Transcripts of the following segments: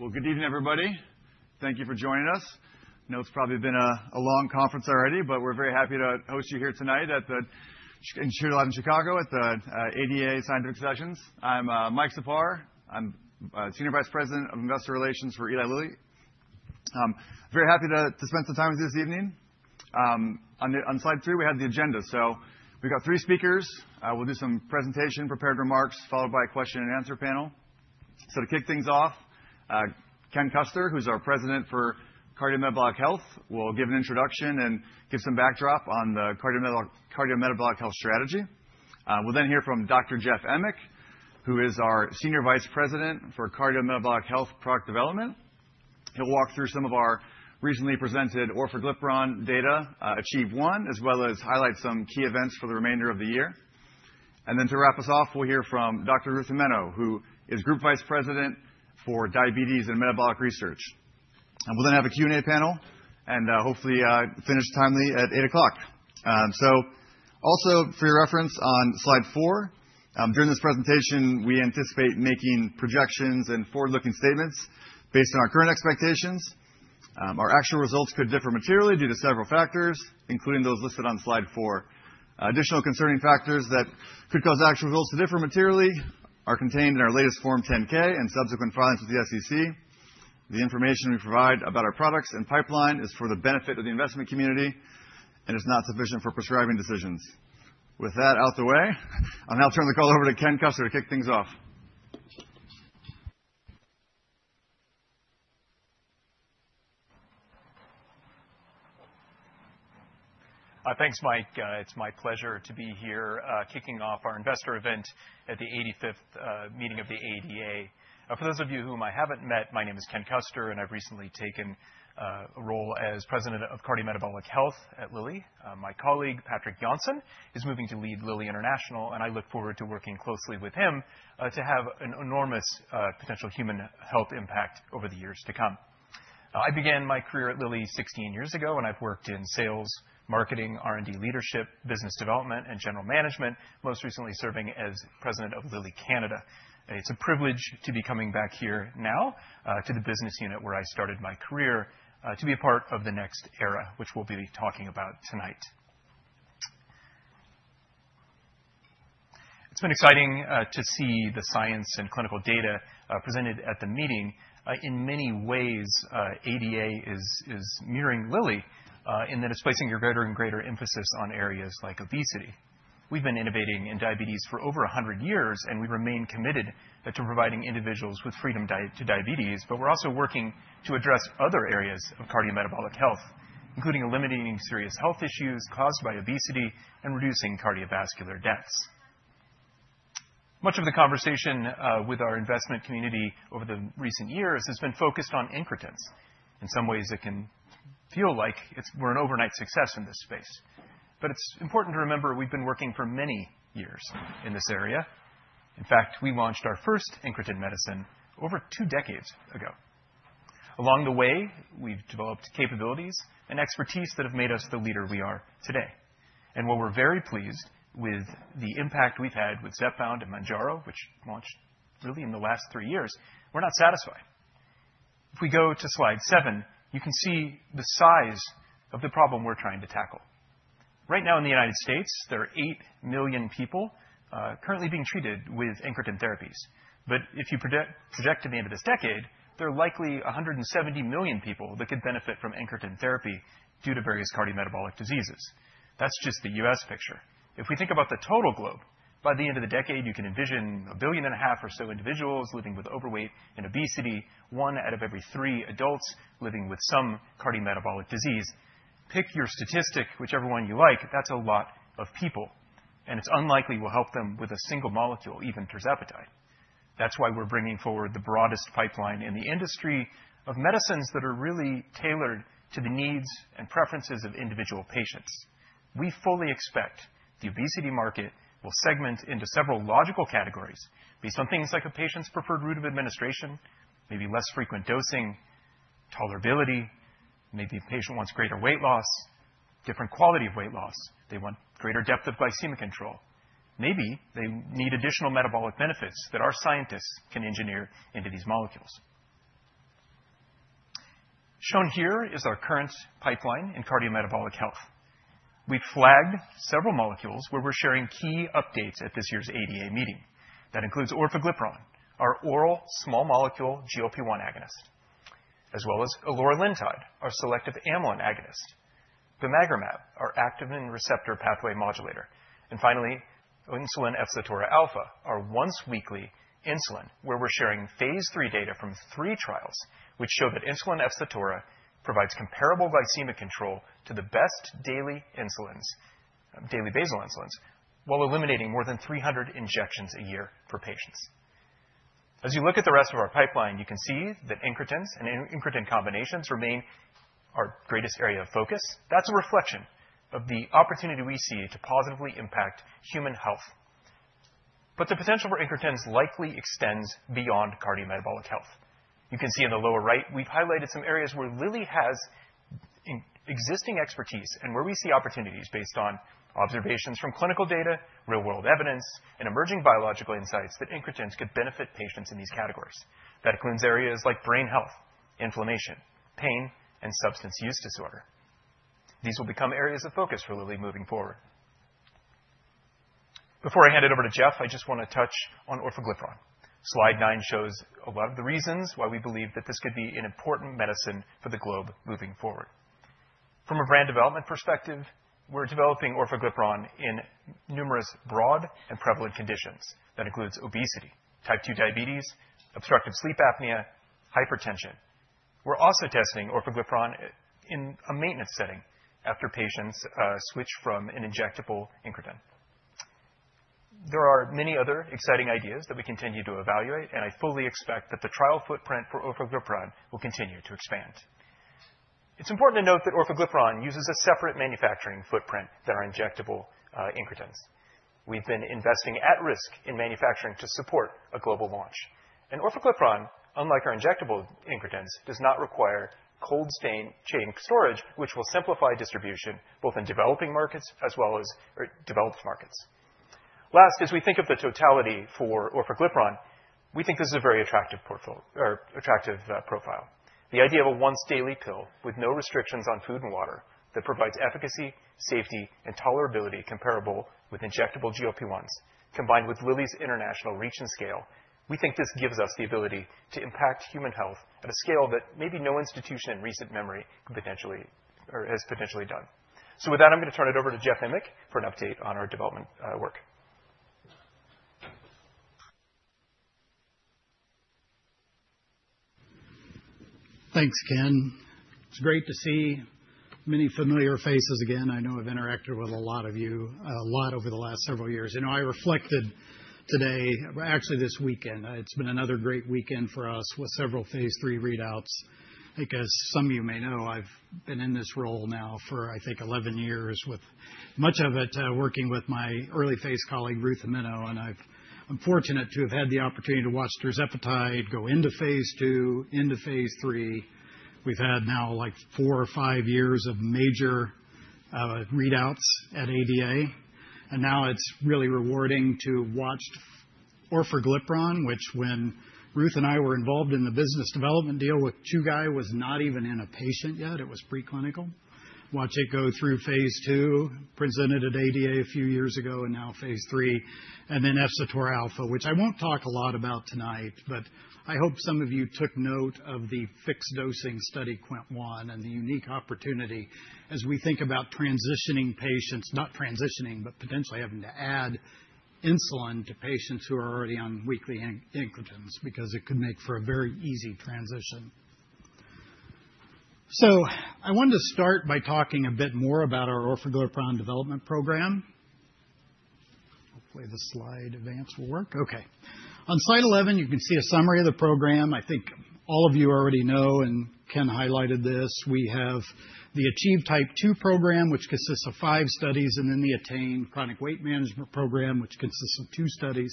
All right. Good evening, everybody. Thank you for joining us. I know it's probably been a long conference already, but we're very happy to host you here tonight at the InsureLab in Chicago at the ADA Scientific Sessions. I'm Mike Czapar. I'm Senior Vice President of Investor Relations for Eli Lilly. Very happy to spend some time with you this evening. On slide three, we have the agenda. We've got three speakers. We'll do some presentation, prepared remarks, followed by a question-and-answer panel. To kick things off, Ken Custer, who's our President for Cardiometabolic Health, will give an introduction and give some backdrop on the cardiometabolic health strategy. We'll then hear from Dr. Jeff Emmick, who is our Senior Vice President for Cardiometabolic Health Product Development. He'll walk through some of our recently presented orforglipron data, achieve one, as well as highlight some key events for the remainder of the year. To wrap us off, we'll hear from Dr. Ruth Gimeno, who is Group Vice President for Diabetes and Metabolic Research. We'll then have a Q&A panel and hopefully finish timely at 8:00. For your reference on slide four, during this presentation, we anticipate making projections and forward-looking statements based on our current expectations. Our actual results could differ materially due to several factors, including those listed on slide four. Additional concerning factors that could cause actual results to differ materially are contained in our latest Form 10-K and subsequent filings with the SEC. The information we provide about our products and pipeline is for the benefit of the investment community and is not sufficient for prescribing decisions. With that out of the way, I'll now turn the call over to Ken Custer to kick things off. Thanks, Mike. It's my pleasure to be here kicking off our investor event at the 85th meeting of the ADA. For those of you whom I haven't met, my name is Ken Custer, and I've recently taken a role as President of Cardiometabolic Health at Lilly. My colleague, Patrick Johnson, is moving to lead Lilly International, and I look forward to working closely with him to have an enormous potential human health impact over the years to come. I began my career at Lilly 16 years ago, and I've worked in sales, marketing, R&D leadership, business development, and general management, most recently serving as President of Lilly Canada. It's a privilege to be coming back here now to the business unit where I started my career to be a part of the next era, which we'll be talking about tonight. It's been exciting to see the science and clinical data presented at the meeting. In many ways, ADA is mirroring Lilly in that it's placing a greater and greater emphasis on areas like obesity. We've been innovating in diabetes for over 100 years, and we remain committed to providing individuals with freedom to diabetes. We're also working to address other areas of cardiometabolic health, including eliminating serious health issues caused by obesity and reducing cardiovascular deaths. Much of the conversation with our investment community over the recent years has been focused on Incretins. In some ways, it can feel like we're an overnight success in this space. It's important to remember we've been working for many years in this area. In fact, we launched our first Incretin medicine over two decades ago. Along the way, we've developed capabilities and expertise that have made us the leader we are today. While we're very pleased with the impact we've had with Zepbound and Mounjaro, which launched really in the last three years, we're not satisfied. If we go to slide seven, you can see the size of the problem we're trying to tackle. Right now in the U.S., there are eight million people currently being treated with incretin therapies. If you project to the end of this decade, there are likely 170 million people that could benefit from incretin therapy due to various cardiometabolic diseases. That's just the U.S. picture. If we think about the total globe, by the end of the decade, you can envision a billion and a half or so individuals living with overweight and obesity, one out of every three adults living with some cardiometabolic disease. Pick your statistic, whichever one you like, that's a lot of people. It's unlikely we'll help them with a single molecule, even tirzepatide. That's why we're bringing forward the broadest pipeline in the industry of medicines that are really tailored to the needs and preferences of individual patients. We fully expect the obesity market will segment into several logical categories based on things like a patient's preferred route of administration, maybe less frequent dosing, tolerability, maybe a patient wants greater weight loss, different quality of weight loss. They want greater depth of glycemic control. Maybe they need additional metabolic benefits that our scientists can engineer into these molecules. Shown here is our current pipeline in cardiometabolic health. We've flagged several molecules where we're sharing key updates at this year's ADA meeting. That includes orforglipron, our oral small molecule GLP-1 agonist, as well as loralintide, our selective amylin agonist, bimagrumab, our activin receptor pathway modulator. Finally, insulin efsitora alfa, our once-weekly insulin, where we're sharing phase three data from three trials, which show that insulin efsitora provides comparable glycemic control to the best daily basal insulins while eliminating more than 300 injections a year for patients. As you look at the rest of our pipeline, you can see that Incretins and Incretin combinations remain our greatest area of focus. That is a reflection of the opportunity we see to positively impact human health. The potential for Incretins likely extends beyond cardiometabolic health. You can see in the lower right, we've highlighted some areas where Lilly has existing expertise and where we see opportunities based on observations from clinical data, real-world evidence, and emerging biological insights that Incretins could benefit patients in these categories. That includes areas like brain health, inflammation, pain, and substance use disorder. These will become areas of focus for Lilly moving forward. Before I hand it over to Jeff, I just want to touch on orforglipron. Slide nine shows a lot of the reasons why we believe that this could be an important medicine for the globe moving forward. From a brand development perspective, we're developing orforglipron in numerous broad and prevalent conditions. That includes obesity, type two diabetes, obstructive sleep apnea, hypertension. We're also testing orforglipron in a maintenance setting after patients switch from an injectable Incretin. There are many other exciting ideas that we continue to evaluate, and I fully expect that the trial footprint for orforglipron will continue to expand. It's important to note that orforglipron uses a separate manufacturing footprint than our injectable incretins. We've been investing at risk in manufacturing to support a global launch. Orforglipron, unlike our injectable incretins, does not require cold-chain storage, which will simplify distribution both in developing markets as well as developed markets. Last, as we think of the totality for orforglipron, we think this is a very attractive profile. The idea of a once-daily pill with no restrictions on food and water that provides efficacy, safety, and tolerability comparable with injectable GLP-1s, combined with Lilly's international reach and scale, we think this gives us the ability to impact human health at a scale that maybe no institution in recent memory has potentially done. With that, I'm going to turn it over to Jeff Emmick for an update on our development work. Thanks, Ken. It's great to see many familiar faces again. I know I've interacted with a lot of you a lot over the last several years. I reflected today, actually this weekend. It's been another great weekend for us with several phase three readouts. I guess some of you may know I've been in this role now for, I think, 11 years, with much of it working with my early phase colleague, Ruth Gimeno. And I'm fortunate to have had the opportunity to watch tirzepatide go into phase two, into phase three. We've had now like four or five years of major readouts at ADA. Now it's really rewarding to watch orforglipron, which when Ruth and I were involved in the business development deal with Chugai, was not even in a patient yet. It was preclinical. Watch it go through phase two, presented at ADA a few years ago, and now phase three, and then efsitora alfa, which I won't talk a lot about tonight. I hope some of you took note of the fixed dosing study Quint one and the unique opportunity as we think about transitioning patients, not transitioning, but potentially having to add insulin to patients who are already on weekly incretins, because it could make for a very easy transition. I wanted to start by talking a bit more about our orforglipron development program. Hopefully, the slide advance will work. Okay. On slide 11, you can see a summary of the program. I think all of you already know and Ken highlighted this. We have the achieve type two program, which consists of five studies, and then the Attain Chronic Weight Management program, which consists of two studies.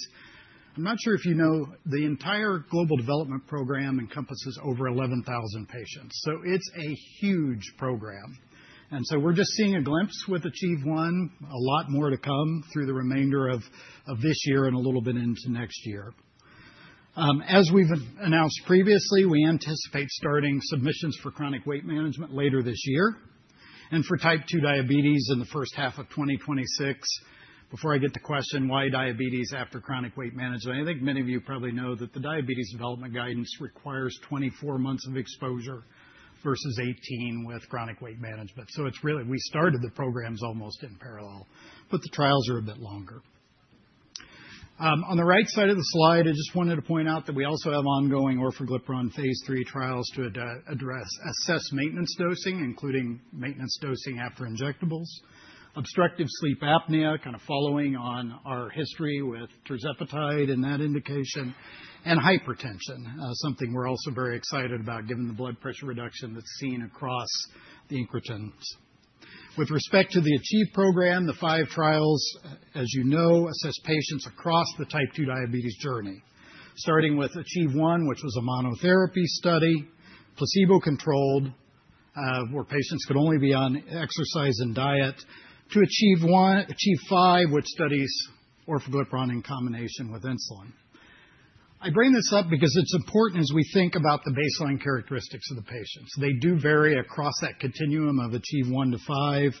I'm not sure if you know the entire global development program encompasses over 11,000 patients. It is a huge program. We are just seeing a glimpse with achieve one. A lot more to come through the remainder of this year and a little bit into next year. As we have announced previously, we anticipate starting submissions for chronic weight management later this year. For type two diabetes in the first half of 2026, before I get to the question why diabetes after chronic weight management, I think many of you probably know that the diabetes development guidance requires 24 months of exposure versus 18 with chronic weight management. We started the programs almost in parallel, but the trials are a bit longer. On the right side of the slide, I just wanted to point out that we also have ongoing orforglipron phase three trials to address assessed maintenance dosing, including maintenance dosing after injectables, obstructive sleep apnea, kind of following on our history with tirzepatide and that indication, and hypertension, something we're also very excited about given the blood pressure reduction that's seen across the incretins. With respect to the achieve program, the five trials, as you know, assess patients across the type two diabetes journey, starting with achieve one, which was a monotherapy study, placebo-controlled, where patients could only be on exercise and diet, to achieve Five, which studies orforglipron in combination with insulin. I bring this up because it's important as we think about the baseline characteristics of the patients. They do vary across that continuum of achieve one to Five,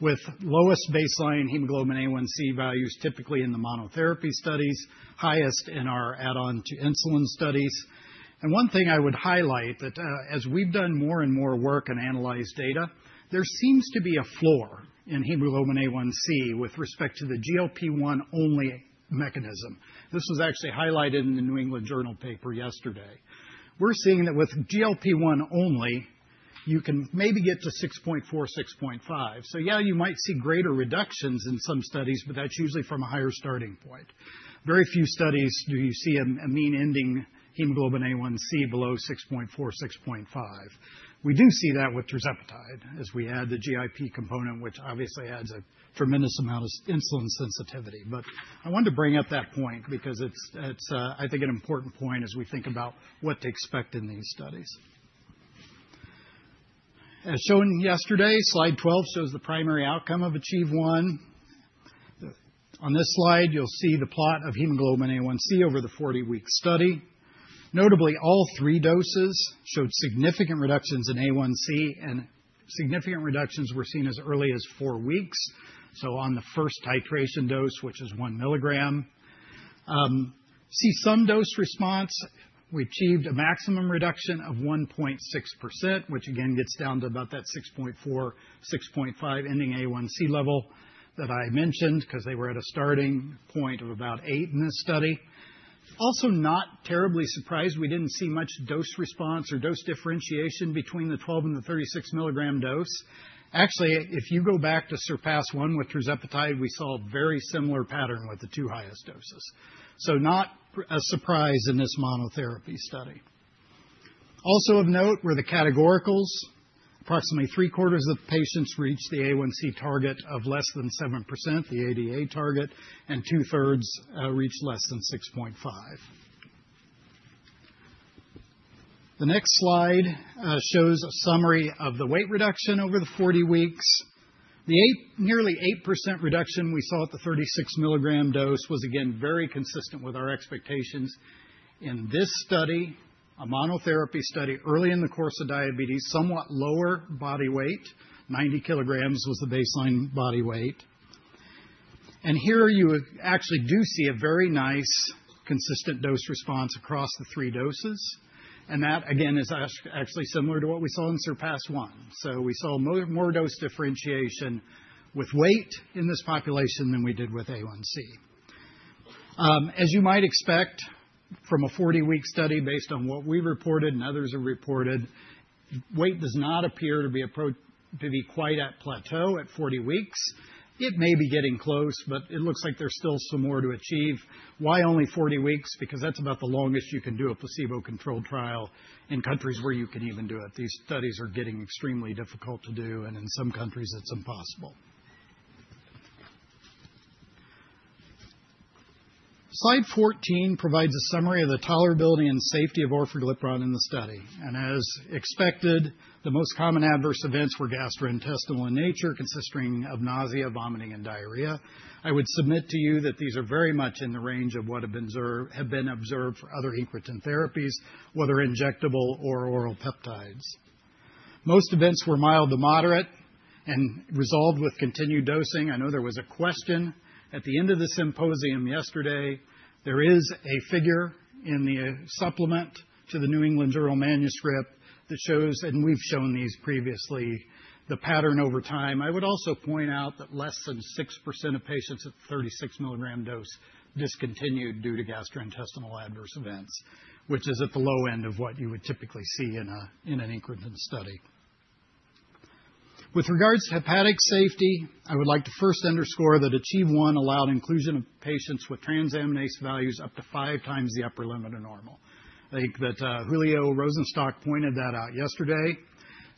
with lowest baseline hemoglobin A1C values typically in the monotherapy studies, highest in our add-on to insulin studies. one thing I would highlight that as we've done more and more work and analyzed data, there seems to be a floor in hemoglobin A1C with respect to the GLP-1 only mechanism. This was actually highlighted in the New England Journal paper yesterday. We're seeing that with GLP-1 only, you can maybe get to 6.4, 6.5. Yeah, you might see greater reductions in some studies, but that's usually from a higher starting point. Very few studies do you see a mean ending hemoglobin A1C below 6.4, 6.5. We do see that with tirzepatide as we add the GIP component, which obviously adds a tremendous amount of insulin sensitivity. I wanted to bring up that point because it's, I think, an important point as we think about what to expect in these studies. As shown yesterday, slide 12 shows the primary outcome of achieve one. On this slide, you'll see the plot of hemoglobin A1C over the 40-week study. Notably, all three doses showed significant reductions in A1C, and significant reductions were seen as early as four weeks. On the first titration dose, which is 1 milligram, see some dose response. We achieved a maximum reduction of 1.6%, which again gets down to about that 6.4-6.5 ending A1C level that I mentioned because they were at a starting point of about eight in this study. Also not terribly surprised, we didn't see much dose response or dose differentiation between the 12 and the 36 milligram dose. Actually, if you go back to SURPASS-1 with tirzepatide, we saw a very similar pattern with the two highest doses. Not a surprise in this monotherapy study. Also of note, where the categoricals, approximately three quarters of patients reached the A1C target of less than 7%, the ADA target, and two thirds reached less than 6.5%. The next slide shows a summary of the weight reduction over the 40 weeks. The nearly 8% reduction we saw at the 36 mg dose was again very consistent with our expectations in this study, a monotherapy study early in the course of diabetes, somewhat lower body weight, 90 kg was the baseline body weight. Here you actually do see a very nice consistent dose response across the three doses. That again is actually similar to what we saw in SURPASS-1. We saw more dose differentiation with weight in this population than we did with A1C. As you might expect from a 40-week study based on what we reported and others have reported, weight does not appear to be quite at plateau at 40 weeks. It may be getting close, but it looks like there's still some more to achieve. Why only 40 weeks? Because that's about the longest you can do a placebo-controlled trial in countries where you can even do it. These studies are getting extremely difficult to do, and in some countries, it's impossible. Slide 14 provides a summary of the tolerability and safety of orforglipron in the study. As expected, the most common adverse events were gastrointestinal in nature, consisting of nausea, vomiting, and diarrhea. I would submit to you that these are very much in the range of what have been observed for other incretin therapies, whether injectable or oral peptides. Most events were mild to moderate and resolved with continued dosing. I know there was a question at the end of the symposium yesterday. There is a figure in the supplement to the New England Journal manuscript that shows, and we have shown these previously, the pattern over time. I would also point out that less than 6% of patients at the 36 mg dose discontinued due to gastrointestinal adverse events, which is at the low end of what you would typically see in an incretin study. With regards to hepatic safety, I would like to first underscore that achieve one allowed inclusion of patients with transaminase values up to five times the upper limit of normal. I think that Julio Rosenstock pointed that out yesterday.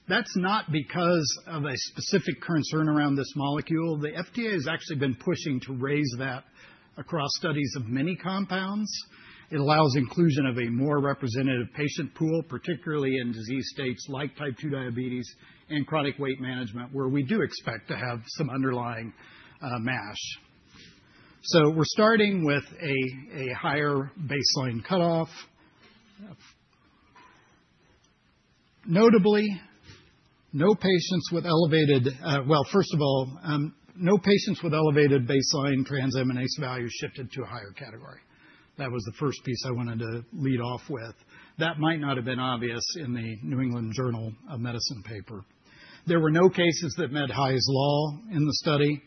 That's not because of a specific concern around this molecule. The FDA has actually been pushing to raise that across studies of many compounds. It allows inclusion of a more representative patient pool, particularly in disease states like type two diabetes and chronic weight management, where we do expect to have some underlying MASH. We are starting with a higher baseline cutoff. Notably, no patients with elevated, well, first of all, no patients with elevated baseline transaminase values shifted to a higher category. That was the first piece I wanted to lead off with. That might not have been obvious in the New England Journal of Medicine paper. There were no cases that met Hy's law in the study.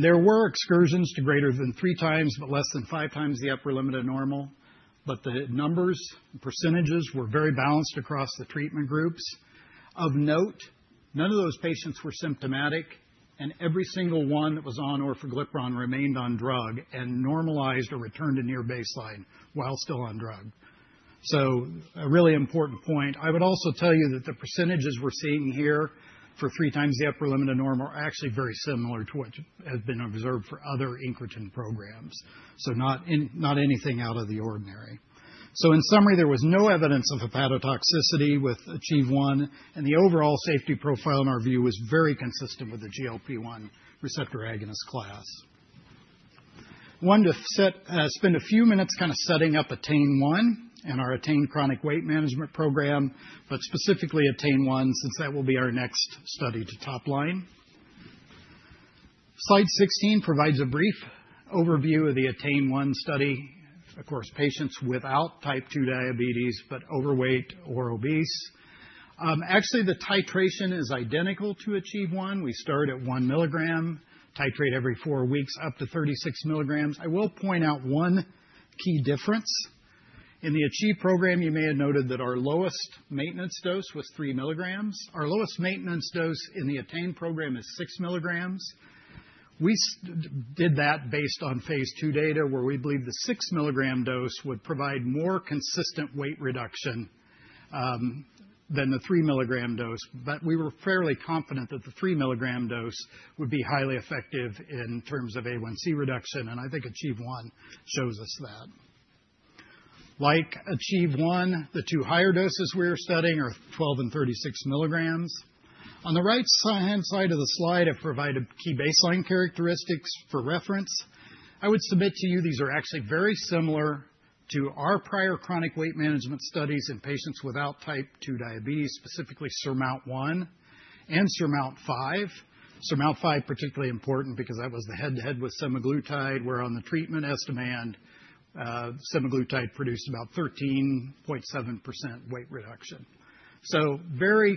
There were excursions to greater than three times, but less than five times the upper limit of normal. The numbers, percentages were very balanced across the treatment groups. Of note, none of those patients were symptomatic, and every single one that was on orforglipron remained on drug and normalized or returned to near baseline while still on drug. A really important point. I would also tell you that the percentages we're seeing here for three times the upper limit of normal are actually very similar to what has been observed for other incretin programs. Not anything out of the ordinary. In summary, there was no evidence of hepatotoxicity with achieve one, and the overall safety profile in our view was very consistent with the GLP-1 receptor agonist class. I wanted to spend a few minutes kind of setting up Attain one and our Attain Chronic Weight Management program, but specifically Attain one since that will be our next study to top line. Slide 16 provides a brief overview of the Attain one study, of course, patients without type two diabetes, but overweight or obese. Actually, the titration is identical to achieve one. We start at 1 milligram, titrate every four weeks up to 36 milligrams. I will point out one key difference. In the achieve program, you may have noted that our lowest maintenance dose was three milligrams. Our lowest maintenance dose in the Attain program is six milligrams. We did that based on phase two data where we believe the six milligram dose would provide more consistent weight reduction than the three milligram dose. We were fairly confident that the three milligram dose would be highly effective in terms of A1C reduction, and I think achieve one shows us that. Like achieve one, the two higher doses we are studying are 12 and 36 milligrams. On the right side of the slide, I've provided key baseline characteristics for reference. I would submit to you these are actually very similar to our prior chronic weight management studies in patients without type two diabetes, specifically SURMOUNT one and SURMOUNT FIVE. SURMOUNT FIVE, particularly important because that was the head-to-head with semaglutide, where on the treatment estimand, semaglutide produced about 13.7% weight reduction. Very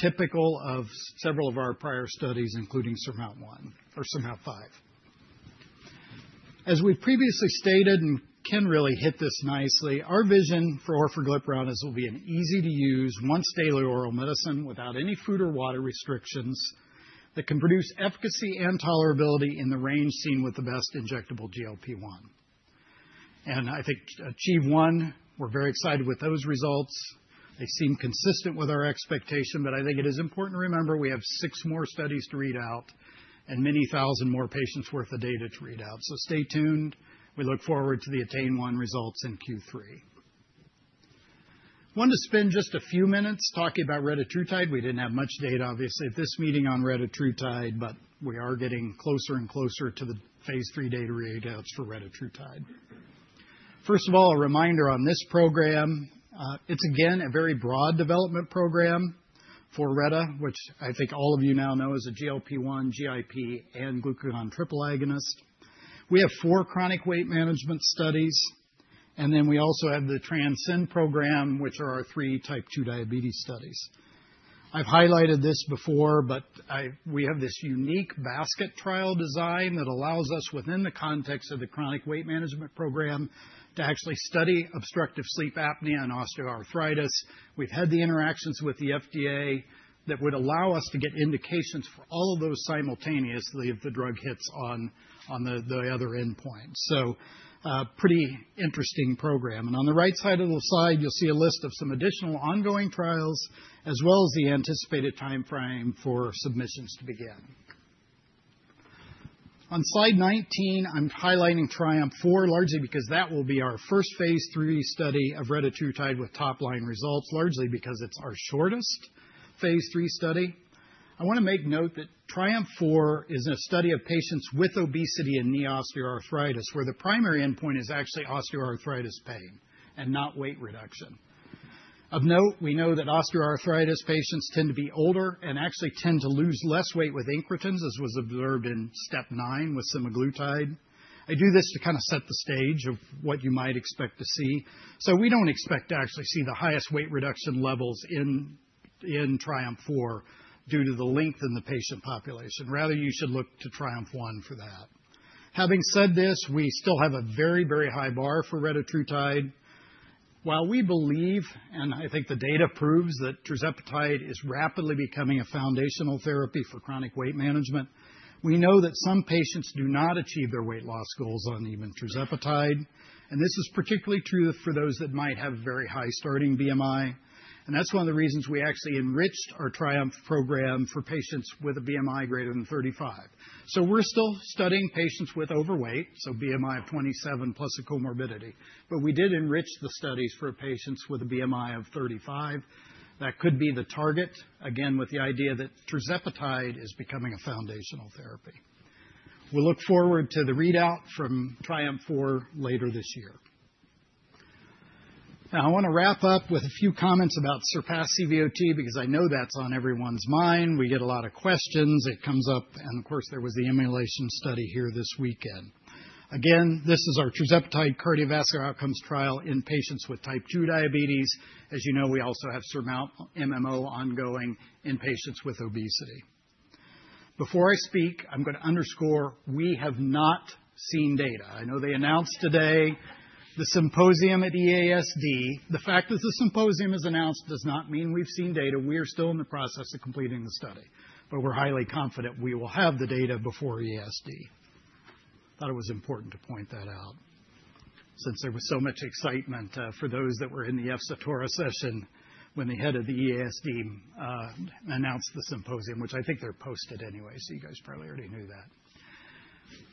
typical of several of our prior studies, including SURMOUNT one or SURMOUNT FIVE. As we've previously stated, and Ken really hit this nicely, our vision for orforglipron is it will be an easy-to-use, once-daily oral medicine without any food or water restrictions that can produce efficacy and tolerability in the range seen with the best injectable GLP-1. I think achieve one, we're very excited with those results. They seem consistent with our expectation, but I think it is important to remember we have six more studies to read out and many thousand more patients' worth of data to read out. Stay tuned. We look forward to the Attain one results in Q3. I wanted to spend just a few minutes talking about retatrutide. We did not have much data, obviously, at this meeting on retatrutide, but we are getting closer and closer to the phase three data readouts for retatrutide. First of all, a reminder on this program, it is again a very broad development program for RETA, which I think all of you now know is a GLP-1, GIP, and glucagon triple agonist. We have four chronic weight management studies, and then we also have the Transcend program, which are our three type two diabetes studies. I've highlighted this before, but we have this unique basket trial design that allows us, within the context of the chronic weight management program, to actually study obstructive sleep apnea and osteoarthritis. We've had the interactions with the FDA that would allow us to get indications for all of those simultaneously if the drug hits on the other endpoint. Pretty interesting program. On the right side of the slide, you'll see a list of some additional ongoing trials, as well as the anticipated timeframe for submissions to begin. On slide 19, I'm highlighting TRIOMPH IV, largely because that will be our first phase three study of retatrutide with top-line results, largely because it's our shortest phase three study. I want to make note that TRIOMPH IV is a study of patients with obesity and knee osteoarthritis, where the primary endpoint is actually osteoarthritis pain and not weight reduction. Of note, we know that osteoarthritis patients tend to be older and actually tend to lose less weight with incretins, as was observed in STEP nine with semaglutide. I do this to kind of set the stage of what you might expect to see. We do not expect to actually see the highest weight reduction levels in TRIOMPH IV due to the length in the patient population. Rather, you should look to TRIOMPH I for that. Having said this, we still have a very, very high bar for retatrutide. While we believe, and I think the data proves that tirzepatide is rapidly becoming a foundational therapy for chronic weight management, we know that some patients do not achieve their weight loss goals on even tirzepatide. This is particularly true for those that might have very high starting BMI. That is one of the reasons we actually enriched our TRIOMPH program for patients with a BMI greater than 35. We are still studying patients with overweight, so BMI of 27 plus a comorbidity. We did enrich the studies for patients with a BMI of 35. That could be the target, again, with the idea that tirzepatide is becoming a foundational therapy. We will look forward to the readout from TRIOMPH IV later this year. I want to wrap up with a few comments about SURPASS CVOT because I know that is on everyone's mind. We get a lot of questions. It comes up, and of course, there was the emulation study here this weekend. This is our tirzepatide cardiovascular outcomes trial in patients with type two diabetes. As you know, we also have SURMOUNT MMO ongoing in patients with obesity. Before I speak, I'm going to underscore we have not seen data. I know they announced today the symposium at EASD. The fact that the symposium is announced does not mean we've seen data. We are still in the process of completing the study, but we're highly confident we will have the data before EASD. I thought it was important to point that out since there was so much excitement for those that were in the efsitora session when the head of the EASD announced the symposium, which I think they're posted anyway, so you guys probably already knew that.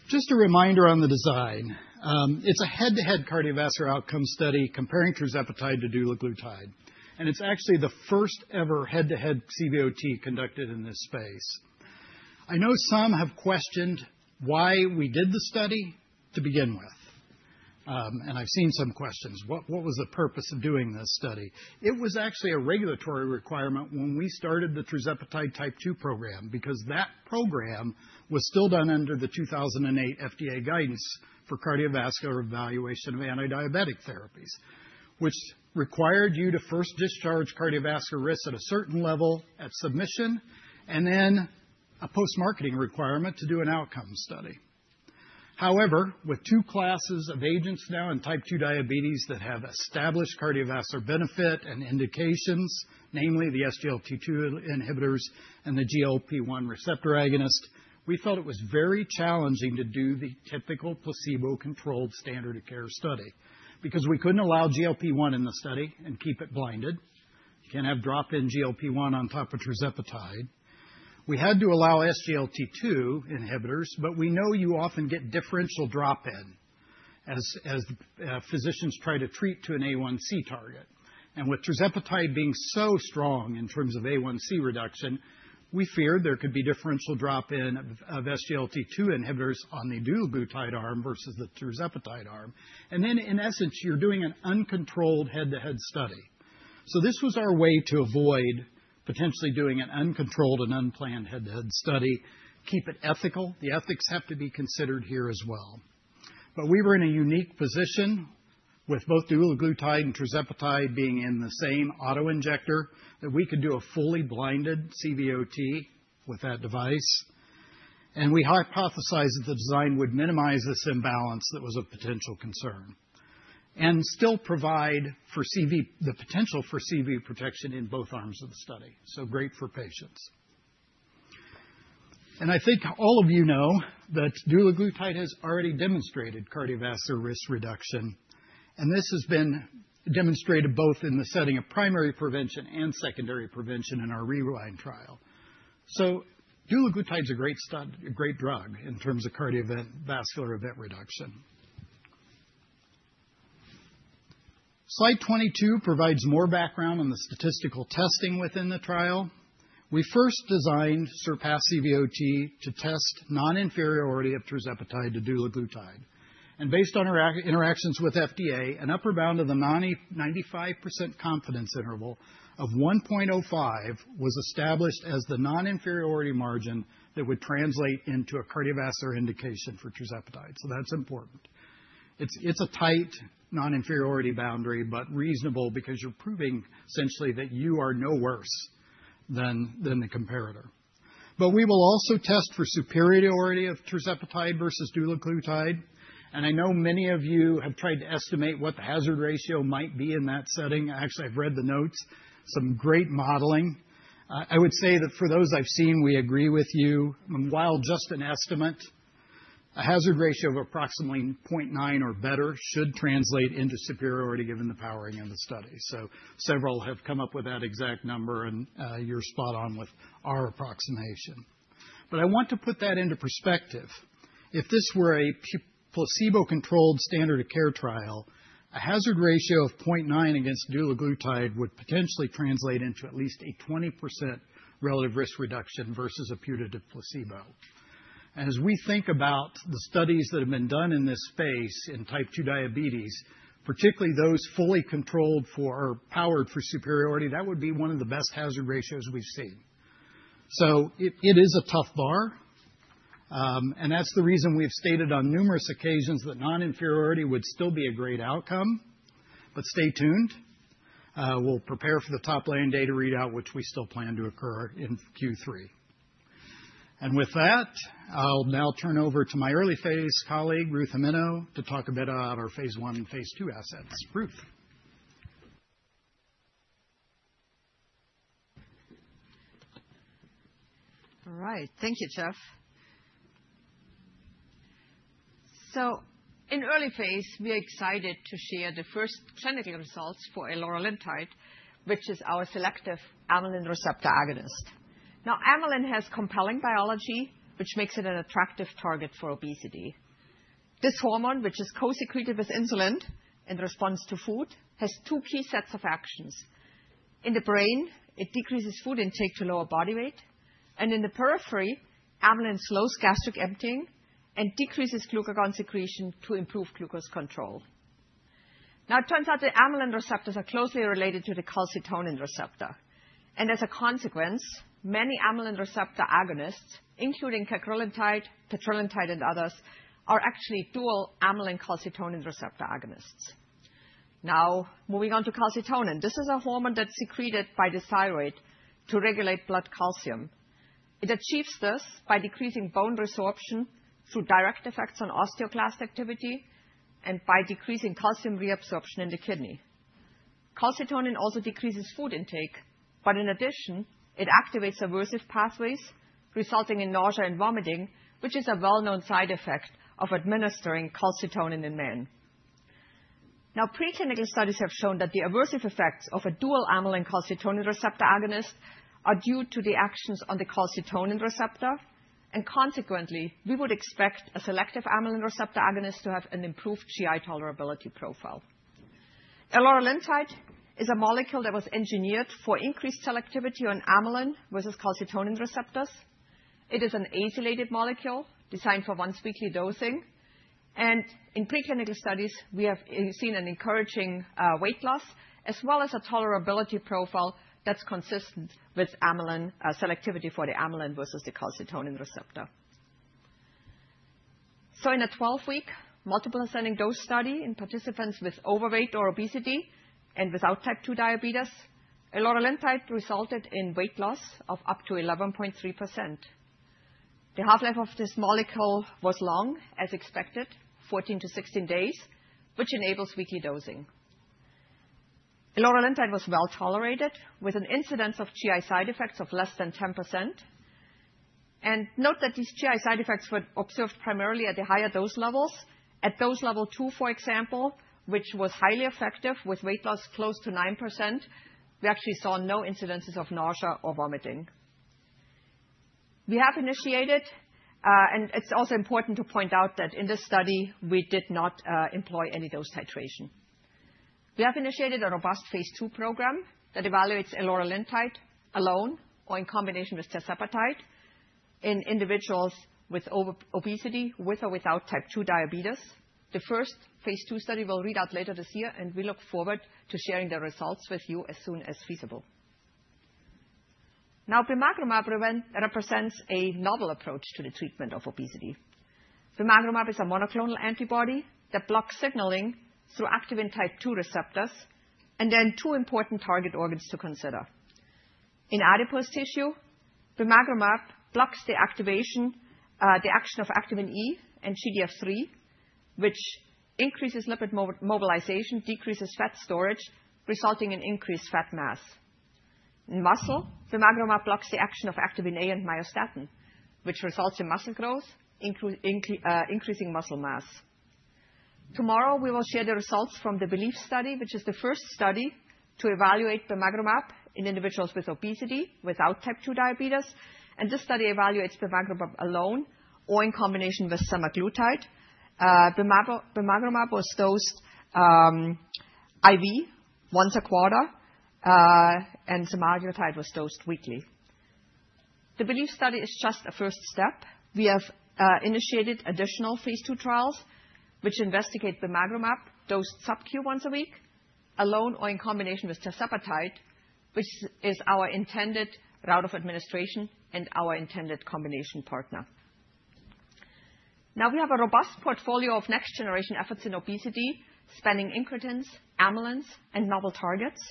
Just a reminder on the design. It's a head-to-head cardiovascular outcome study comparing tirzepatide to dulaglutide. It's actually the first ever head-to-head CVOT conducted in this space. I know some have questioned why we did the study to begin with. I've seen some questions. What was the purpose of doing this study? It was actually a regulatory requirement when we started the tirzepatide type two program because that program was still done under the 2008 FDA guidance for cardiovascular evaluation of antidiabetic therapies, which required you to first discharge cardiovascular risks at a certain level at submission, and then a post-marketing requirement to do an outcome study. However, with two classes of agents now in type two diabetes that have established cardiovascular benefit and indications, namely the SGLT2 inhibitors and the GLP-1 receptor agonist, we felt it was very challenging to do the typical placebo-controlled standard of care study because we couldn't allow GLP-1 in the study and keep it blinded. You can't have drop-in GLP-1 on top of tirzepatide. We had to allow SGLT2 inhibitors, but we know you often get differential drop-in as physicians try to treat to an A1C target. With tirzepatide being so strong in terms of A1C reduction, we feared there could be differential drop-in of SGLT2 inhibitors on the dulaglutide arm versus the tirzepatide arm. In essence, you're doing an uncontrolled head-to-head study. This was our way to avoid potentially doing an uncontrolled and unplanned head-to-head study. Keep it ethical. The ethics have to be considered here as well. We were in a unique position with both dulaglutide and tirzepatide being in the same autoinjector that we could do a fully blinded CVOT with that device. We hypothesized that the design would minimize this imbalance that was a potential concern and still provide for the potential for CV protection in both arms of the study. Great for patients. I think all of you know that dulaglutide has already demonstrated cardiovascular risk reduction. This has been demonstrated both in the setting of primary prevention and secondary prevention in our Rewind trial. Dulaglutide is a great drug in terms of cardiovascular event reduction. Slide 22 provides more background on the statistical testing within the trial. We first designed SURPASS CVOT to test non-inferiority of tirzepatide to dulaglutide. Based on our interactions with FDA, an upper bound of the 95% confidence interval of 1.05 was established as the non-inferiority margin that would translate into a cardiovascular indication for tirzepatide. That is important. It is a tight non-inferiority boundary, but reasonable because you are proving essentially that you are no worse than the comparator. We will also test for superiority of tirzepatide versus dulaglutide. I know many of you have tried to estimate what the hazard ratio might be in that setting. Actually, I have read the notes. Some great modeling. I would say that for those I've seen, we agree with you. While just an estimate, a hazard ratio of approximately 0.9 or better should translate into superiority given the powering in the study. Several have come up with that exact number, and you're spot on with our approximation. I want to put that into perspective. If this were a placebo-controlled standard of care trial, a hazard ratio of 0.9 against dulaglutide would potentially translate into at least a 20% relative risk reduction versus a putative placebo. As we think about the studies that have been done in this space in type two diabetes, particularly those fully controlled for or powered for superiority, that would be one of the best hazard ratios we've seen. It is a tough bar. That is the reason we've stated on numerous occasions that non-inferiority would still be a great outcome. Stay tuned. We'll prepare for the top-line data readout, which we still plan to occur in Q3. With that, I'll now turn over to my early phase colleague, Ruth Gimeno, to talk a bit about our phase one and phase two assets. Ruth. All right. Thank you, Jeff. In early phase, we are excited to share the first clinical results for loralintide, which is our selective amylin receptor agonist. Now, amylin has compelling biology, which makes it an attractive target for obesity. This hormone, which is co-secreted with insulin in response to food, has two key sets of actions. In the brain, it decreases food intake to lower body weight. In the periphery, amylin slows gastric emptying and decreases glucagon secretion to improve glucose control. It turns out that amylin receptors are closely related to the calcitonin receptor. As a consequence, many amylin receptor agonists, including cagrilintide, tetralintide, and others, are actually dual amylin-calcitonin receptor agonists. Moving on to calcitonin. This is a hormone that's secreted by the thyroid to regulate blood calcium. It achieves this by decreasing bone resorption through direct effects on osteoclast activity and by decreasing calcium reabsorption in the kidney. Calcitonin also decreases food intake, but in addition, it activates aversive pathways, resulting in nausea and vomiting, which is a well-known side effect of administering calcitonin in men. Now, preclinical studies have shown that the aversive effects of a dual amylin-calcitonin receptor agonist are due to the actions on the calcitonin receptor. Consequently, we would expect a selective amylin receptor agonist to have an improved GI tolerability profile. Loralintide is a molecule that was engineered for increased selectivity on amylin versus calcitonin receptors. It is an ACE-related molecule designed for once-weekly dosing. In preclinical studies, we have seen an encouraging weight loss, as well as a tolerability profile that's consistent with selectivity for the amylin versus the calcitonin receptor. In a 12-week multiple-ascending dose study in participants with overweight or obesity and without type two diabetes, loralintide resulted in weight loss of up to 11.3%. The half-life of this molecule was long, as expected, 14-16 days, which enables weekly dosing. Loralintide was well tolerated with an incidence of GI side effects of less than 10%. Note that these GI side effects were observed primarily at the higher dose levels. At dose level two, for example, which was highly effective with weight loss close to 9%, we actually saw no incidences of nausea or vomiting. We have initiated, and it is also important to point out that in this study, we did not employ any dose titration. We have initiated a robust phase two program that evaluates loralintide alone or in combination with tirzepatide in individuals with obesity with or without type two diabetes. The first phase two study will read out later this year, and we look forward to sharing the results with you as soon as feasible. Now, bimagrumab represents a novel approach to the treatment of obesity. Bimagrumab is a monoclonal antibody that blocks signaling through activin type two receptors and then two important target organs to consider. In adipose tissue, bimagrumab blocks the activation, the action of activin E and GDF3, which increases lipid mobilization, decreases fat storage, resulting in increased fat mass. In muscle, bimagrumab blocks the action of activin A and myostatin, which results in muscle growth, increasing muscle mass. Tomorrow, we will share the results from the belief study, which is the first study to evaluate bimagrumab in individuals with obesity without type two diabetes. This study evaluates bimagrumab alone or in combination with semaglutide. Bimagrumab was dosed IV once a quarter, and semaglutide was dosed weekly. The belief study is just a first step. We have initiated additional phase two trials, which investigate bimagrumab dosed subcu once a week alone or in combination with tirzepatide, which is our intended route of administration and our intended combination partner. Now, we have a robust portfolio of next-generation efforts in obesity, spanning incretins, amylins, and novel targets.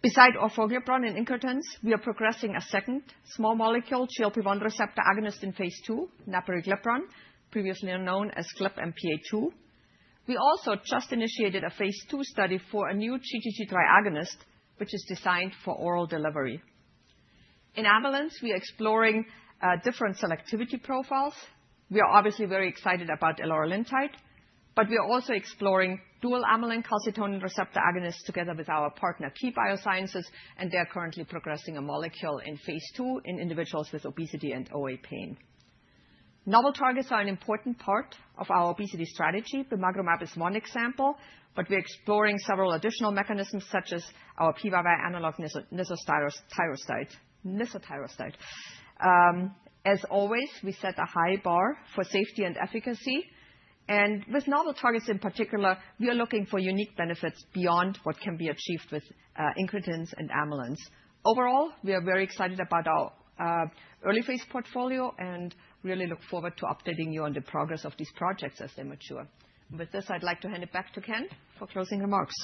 Beside orforglipron and incretins, we are progressing a second small molecule GLP-1 receptor agonist in phase two, naproglipron, previously known as GLPMPA2. We also just initiated a phase two study for a new GGG3 agonist, which is designed for oral delivery. In amylins, we are exploring different selectivity profiles. We are obviously very excited about loralintide, but we are also exploring dual amylin-calcitonin receptor agonists together with our partner, KEY BIOSCIENCE, and they are currently progressing a molecule in phase two in individuals with obesity and OA pain. Novel targets are an important part of our obesity strategy. Bimagrumab is one example, but we are exploring several additional mechanisms, such as our PYY analog, nisotyroside. As always, we set a high bar for safety and efficacy. With novel targets in particular, we are looking for unique benefits beyond what can be achieved with incretins and amylins. Overall, we are very excited about our early phase portfolio and really look forward to updating you on the progress of these projects as they mature. With this, I'd like to hand it back to Ken for closing remarks.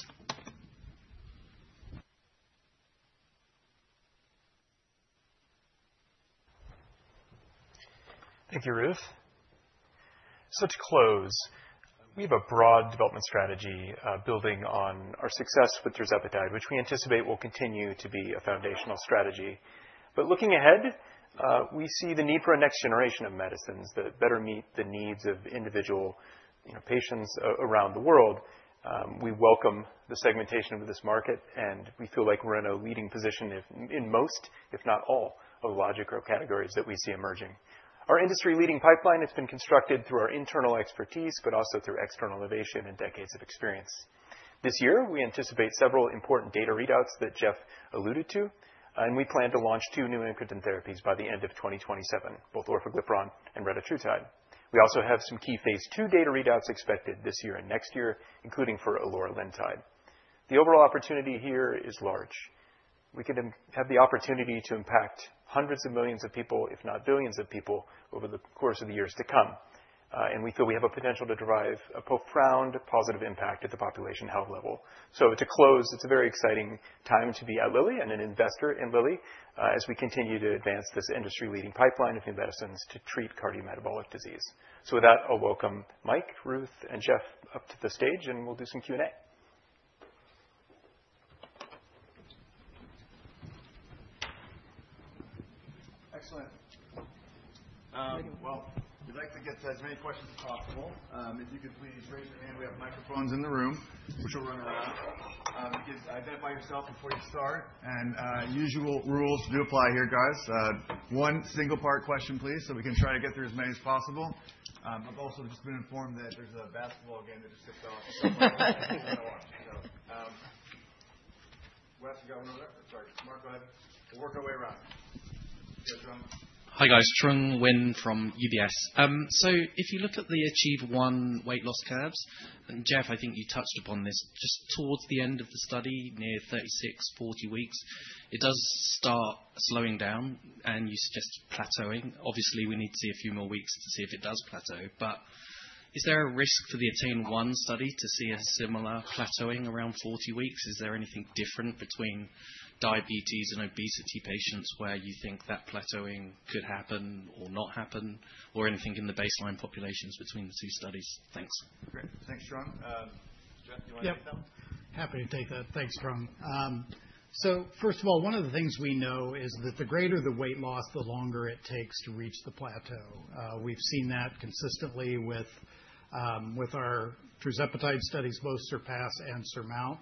Thank you, Ruth. To close, we have a broad development strategy building on our success with tirzepatide, which we anticipate will continue to be a foundational strategy. Looking ahead, we see the need for a next generation of medicines that better meet the needs of individual patients around the world. We welcome the segmentation of this market, and we feel like we're in a leading position in most, if not all, of the logic or categories that we see emerging. Our industry-leading pipeline has been constructed through our internal expertise, but also through external innovation and decades of experience. This year, we anticipate several important data readouts that Jeff alluded to, and we plan to launch two new incretin therapies by the end of 2027, both orforglipron and retatrutide. We also have some key phase two data readouts expected this year and next year, including for loralintide. The overall opportunity here is large. We can have the opportunity to impact hundreds of millions of people, if not billions of people, over the course of the years to come. We feel we have a potential to derive a profound positive impact at the population health level. To close, it's a very exciting time to be at Lilly and an investor in Lilly as we continue to advance this industry-leading pipeline of new medicines to treat cardiometabolic disease. With that, I'll welcome Mike, Ruth, and Jeff up to the stage, and we'll do some Q&A. Excellent. We would like to get to as many questions as possible. If you could please raise your hand. We have microphones in the room, which will run around. You can identify yourself before you start. The usual rules do apply here, guys. one single-part question, please, so we can try to get through as many as possible. I have also just been informed that there is a basketball game that just kicked off. We will work our way around. Hi, guys. Trương Nguyễn from UBS. If you look at the achieveone weight loss curves, and Jeff, I think you touched upon this, just towards the end of the study, near 36, 40 weeks, it does start slowing down and you suggest plateauing. Obviously, we need to see a few more weeks to see if it does plateau. Is there a risk for the Atenaone study to see a similar plateauing around 40 weeks? Is there anything different between diabetes and obesity patients where you think that plateauing could happen or not happen, or anything in the baseline populations between the two studies? Thanks. Great. Thanks, Trương. Jeff, do you want to take that one? Happy to take that. Thanks, Trương. First of all, one of the things we know is that the greater the weight loss, the longer it takes to reach the plateau. We've seen that consistently with our tirzepatide studies, both SURPASS and SURMOUNT.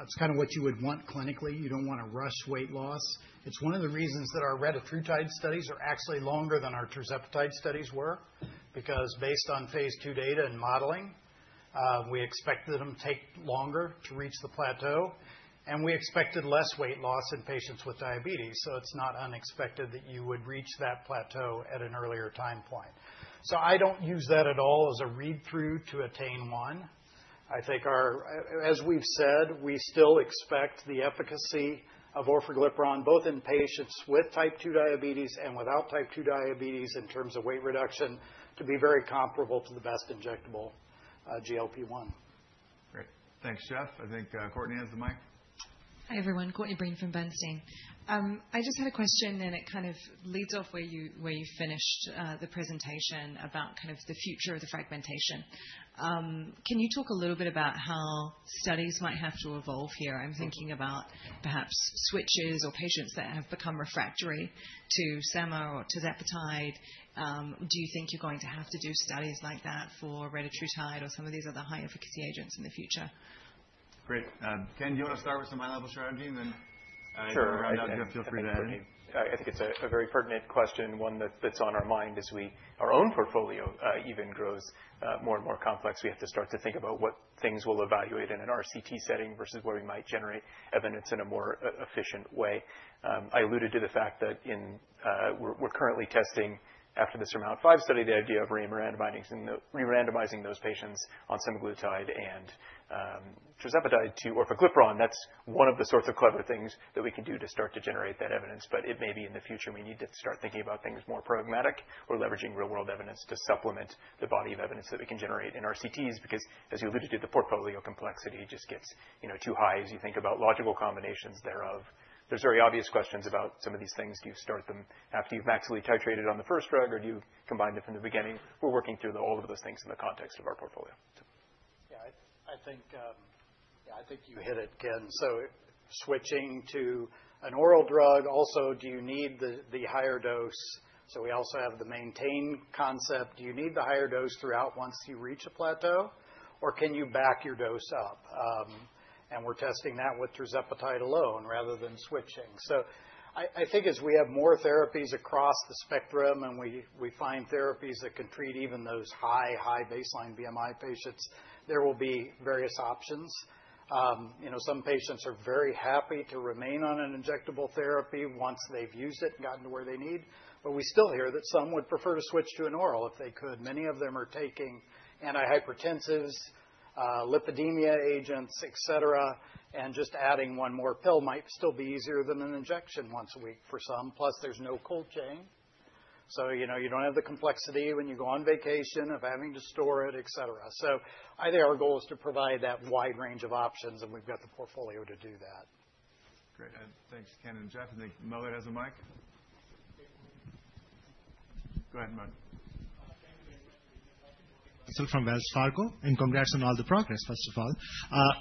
It's kind of what you would want clinically. You don't want to rush weight loss. It's one of the reasons that our retatrutide studies are actually longer than our tirzepatide studies were, because based on phase two data and modeling, we expected them to take longer to reach the plateau. We expected less weight loss in patients with diabetes. It's not unexpected that you would reach that plateau at an earlier time point. I don't use that at all as a read-through to Atenaone. I think, as we've said, we still expect the efficacy of orforglipron, both in patients with type two diabetes and without type two diabetes in terms of weight reduction, to be very comparable to the best injectable GLP-1. Great. Thanks, Jeff. I think Courtney has the mic. Hi, everyone. Courtney Breen from Bernstein. I just had a question, and it kind of leads off where you finished the presentation about kind of the future of the fragmentation. Can you talk a little bit about how studies might have to evolve here? I'm thinking about perhaps switches or patients that have become refractory to sema or tirzepatide. Do you think you're going to have to do studies like that for retatrutide or some of these other high-efficacy agents in the future? Great. Ken, do you want to start with some high-level strategy and then? Sure. I think it's a very pertinent question, one that's on our mind as our own portfolio even grows more and more complex. We have to start to think about what things we'll evaluate in an RCT setting versus where we might generate evidence in a more efficient way. I alluded to the fact that we're currently testing, after the SURMOUNT V study, the idea of re-randomizing those patients on semaglutide and tirzepatide to orforglipron. That's one of the sorts of clever things that we can do to start to generate that evidence. It may be in the future we need to start thinking about things more pragmatic or leveraging real-world evidence to supplement the body of evidence that we can generate in RCTs, because as you alluded to, the portfolio complexity just gets too high as you think about logical combinations thereof. are very obvious questions about some of these things. Do you start them after you've maximally titrated on the first drug, or do you combine them from the beginning? We're working through all of those things in the context of our portfolio. Yeah, I think you hit it, Ken. Switching to an oral drug, also, do you need the higher dose? We also have the maintain concept. Do you need the higher dose throughout once you reach a plateau, or can you back your dose up? We're testing that with tirzepatide alone rather than switching. I think as we have more therapies across the spectrum and we find therapies that can treat even those high, high baseline BMI patients, there will be various options. Some patients are very happy to remain on an injectable therapy once they've used it and gotten to where they need. We still hear that some would prefer to switch to an oral if they could. Many of them are taking antihypertensives, lipidemia agents, et cetera. Just adding one more pill might still be easier than an injection once a week for some. Plus, there's no cold chain. You do not have the complexity when you go on vacation of having to store it, et cetera. I think our goal is to provide that wide range of options, and we've got the portfolio to do that. Great. Thanks, Ken and Jeff. I think Moe has the mic. Go ahead, Moe. Thank you very much. I'm Srukh from Wells Fargo, and congrats on all the progress, first of all.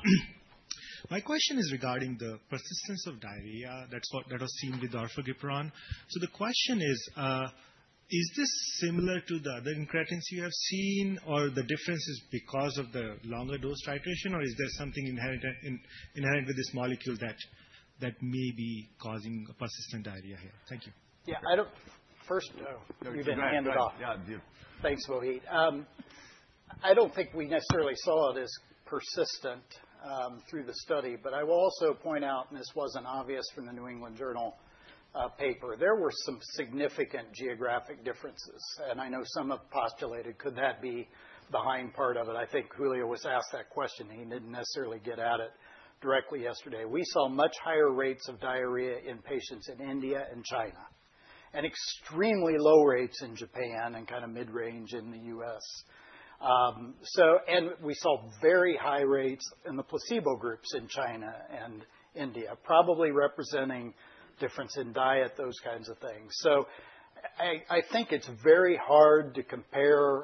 My question is regarding the persistence of diarrhea that was seen with orforglipron. So the question is, is this similar to the other incretins you have seen, or the difference is because of the longer dose titration, or is there something inherent with this molecule that may be causing a persistent diarrhea here? Thank you. Yeah, I do not first, you have been handed off. Thanks, Mohit. I do not think we necessarily saw this persistent through the study. I will also point out, and this was not obvious from the New England Journal paper, there were some significant geographic differences. I know some have postulated, could that be the hind part of it? I think Julio was asked that question. He did not necessarily get at it directly yesterday. We saw much higher rates of diarrhea in patients in India and China, and extremely low rates in Japan and kind of mid-range in the U.S. We saw very high rates in the placebo groups in China and India, probably representing difference in diet, those kinds of things. I think it's very hard to compare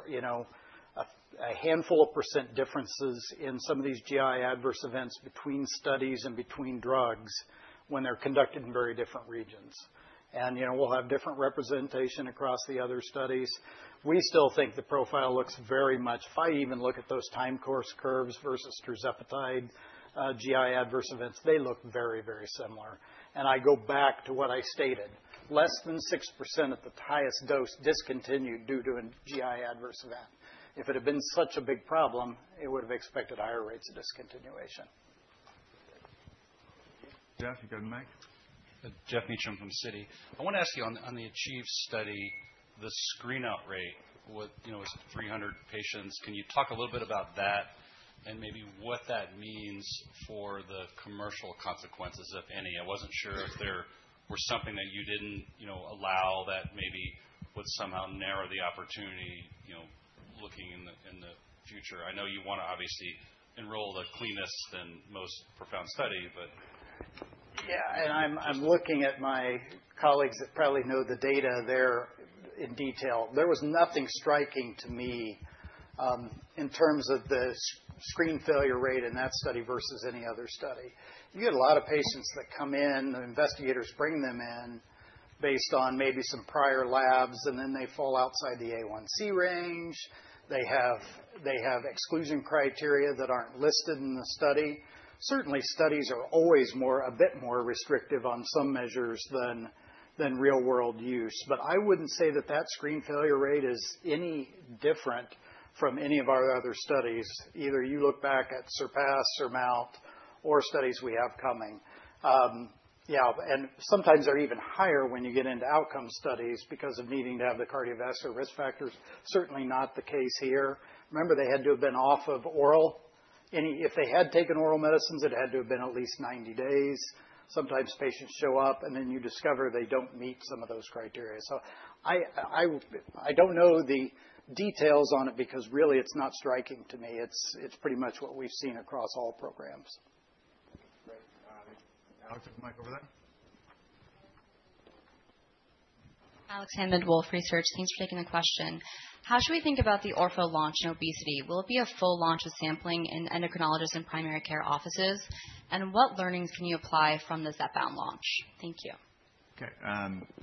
a handful of % differences in some of these GI adverse events between studies and between drugs when they're conducted in very different regions. We'll have different representation across the other studies. We still think the profile looks very much, if I even look at those time course curves versus tirzepatide GI adverse events, they look very, very similar. I go back to what I stated, less than 6% at the highest dose discontinued due to a GI adverse event. If it had been such a big problem, it would have expected higher rates of discontinuation. Geoff, you got the mic? Geoff Meacham from CITI. I want to ask you, on the achieve study, the screenout rate was 300 patients. Can you talk a little bit about that and maybe what that means for the commercial consequences, if any? I wasn't sure if there was something that you didn't allow that maybe would somehow narrow the opportunity looking in the future. I know you want to obviously enroll the cleanest and most profound study, but. Yeah, and I'm looking at my colleagues that probably know the data there in detail. There was nothing striking to me in terms of the screen failure rate in that study versus any other study. You get a lot of patients that come in. The investigators bring them in based on maybe some prior labs, and then they fall outside the A1C range. They have exclusion criteria that aren't listed in the study. Certainly, studies are always a bit more restrictive on some measures than real-world use. I wouldn't say that that screen failure rate is any different from any of our other studies. Either you look back at SURMOUNT or studies we have coming. Yeah, and sometimes they're even higher when you get into outcome studies because of needing to have the cardiovascular risk factors. Certainly not the case here. Remember, they had to have been off of oral. If they had taken oral medicines, it had to have been at least 90 days. Sometimes patients show up, and then you discover they do not meet some of those criteria. I do not know the details on it because really it is not striking to me. It is pretty much what we have seen across all programs. Great. Alex, you have the mic over there. Alex Hanmond Wolfe Research. Thanks for taking the question. How should we think about the Orforglipron launch in obesity? Will it be a full launch of sampling in endocrinologists and primary care offices? What learnings can you apply from the Zepbound launch? Thank you. Okay.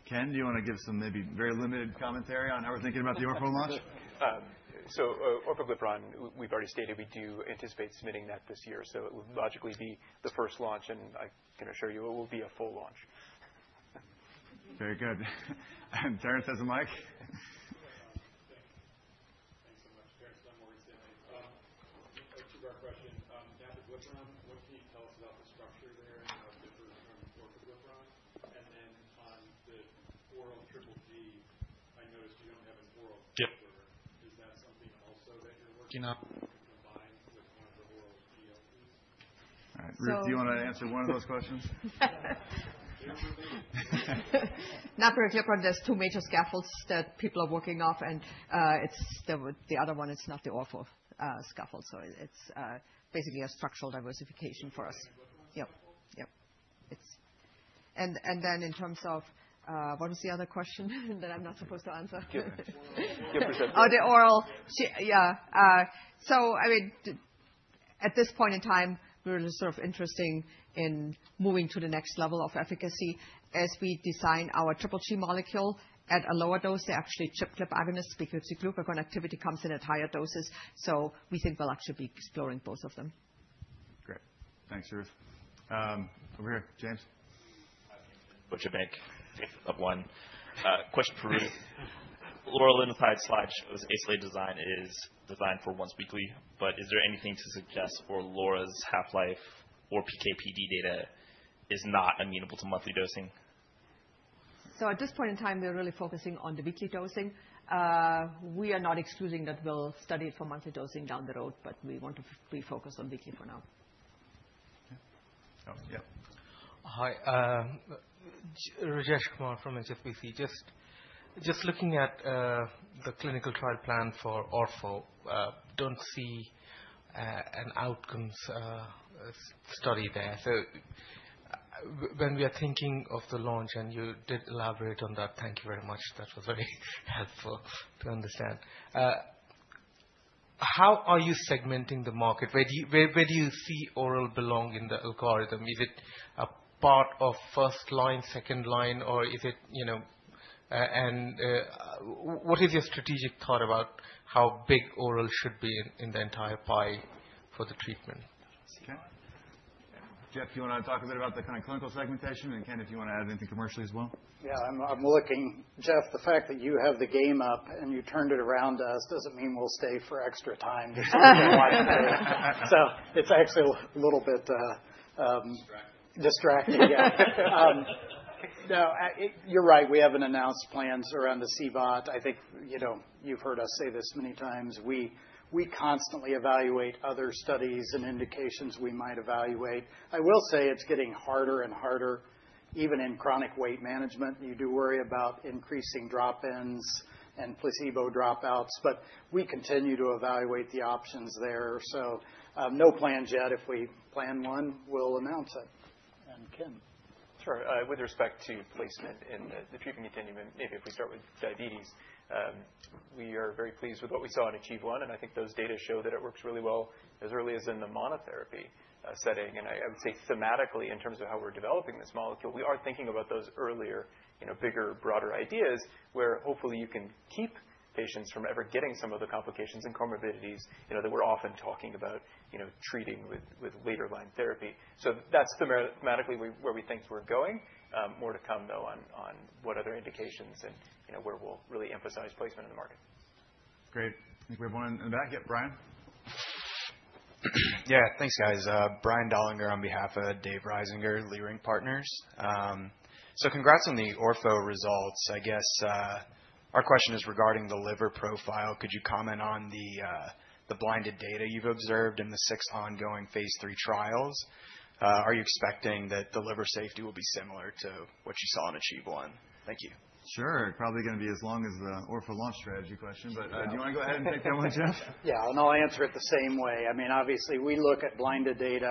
Ken, do you want to give some maybe very limited commentary on how we're thinking about the Orforglipron launch? Orforglipron, we've already stated we do anticipate submitting that this year. It would logically be the first launch, and I can assure you it will be a full launch. Very good. Terrence has the mic. Thanks so much. Terrence, one more exciting question. Now, the glycerin, what can you tell us about the structure there and how it differs from orforglipron? On the oral GGG, I noticed you don't have an oral glycerin. Is that something also that you're working on combined with one of the oral GLPs? All right. Ruth, do you want to answer one of those questions? Now, for glycerin, there's two major scaffolds that people are working off. The other one is not the ORFO scaffold. It's basically a structural diversification for us. Yep. Yep. In terms of what was the other question that I'm not supposed to answer? Give your presentation. Oh, the oral. Yeah. I mean, at this point in time, we're sort of interested in moving to the next level of efficacy as we design our GGG molecule at a lower dose. They actually chip GLP-1 agonists because the glucagon activity comes in at higher doses. We think we'll actually be exploring both of them. Great. Thanks, Ruth. Over here, James. What's your bank? If of one. Question for Ruth. Loralintide's slide shows, as-late design is designed for once weekly. Is there anything to suggest or Loralintide's half-life or PK/PD data is not amenable to monthly dosing? At this point in time, we're really focusing on the weekly dosing. We are not excluding that we'll study it for monthly dosing down the road, but we want to be focused on weekly for now. Yep. Hi. Rajesh Kumar from HSBC. Just looking at the clinical trial plan for ORFO, do not see an outcomes study there. When we are thinking of the launch, and you did elaborate on that, thank you very much. That was very helpful to understand. How are you segmenting the market? Where do you see oral belong in the algorithm? Is it a part of first line, second line, or is it? What is your strategic thought about how big oral should be in the entire pie for the treatment? Jeff, do you want to talk a bit about the kind of clinical segmentation? Ken, if you want to add anything commercially as well. Yeah, I'm looking. Jeff, the fact that you have the game up and you turned it around us doesn't mean we'll stay for extra time. So it's actually a little bit. Distracting. Distracting, yeah. No, you're right. We have an announced plan around the CVOT. I think you've heard us say this many times. We constantly evaluate other studies and indications we might evaluate. I will say it's getting harder and harder, even in chronic weight management. You do worry about increasing drop-ins and placebo dropouts. We continue to evaluate the options there. No plans yet. If we plan one, we'll announce it. Ken? Sure. With respect to placement in the treatment continuum, maybe if we start with diabetes, we are very pleased with what we saw in achieve one. I think those data show that it works really well as early as in the monotherapy setting. I would say thematically, in terms of how we're developing this molecule, we are thinking about those earlier, bigger, broader ideas where hopefully you can keep patients from ever getting some of the complications and comorbidities that we're often talking about treating with later-line therapy. That's thematically where we think we're going. More to come, though, on what other indications and where we'll really emphasize placement in the market. Great. I think we have one in the back. Yep, Bryan. Yeah, thanks, guys. Bryan Dollinger on behalf of Dave Reisinger, Leerink Partners. Congrats on the ORFO results. I guess our question is regarding the liver profile. Could you comment on the blinded data you've observed in the six ongoing phase three trials? Are you expecting that the liver safety will be similar to what you saw in achieve one? Thank you. Sure. Probably going to be as long as the ORFO launch strategy question. Do you want to go ahead and take that one, Jeff? Yeah, and I'll answer it the same way. I mean, obviously, we look at blinded data,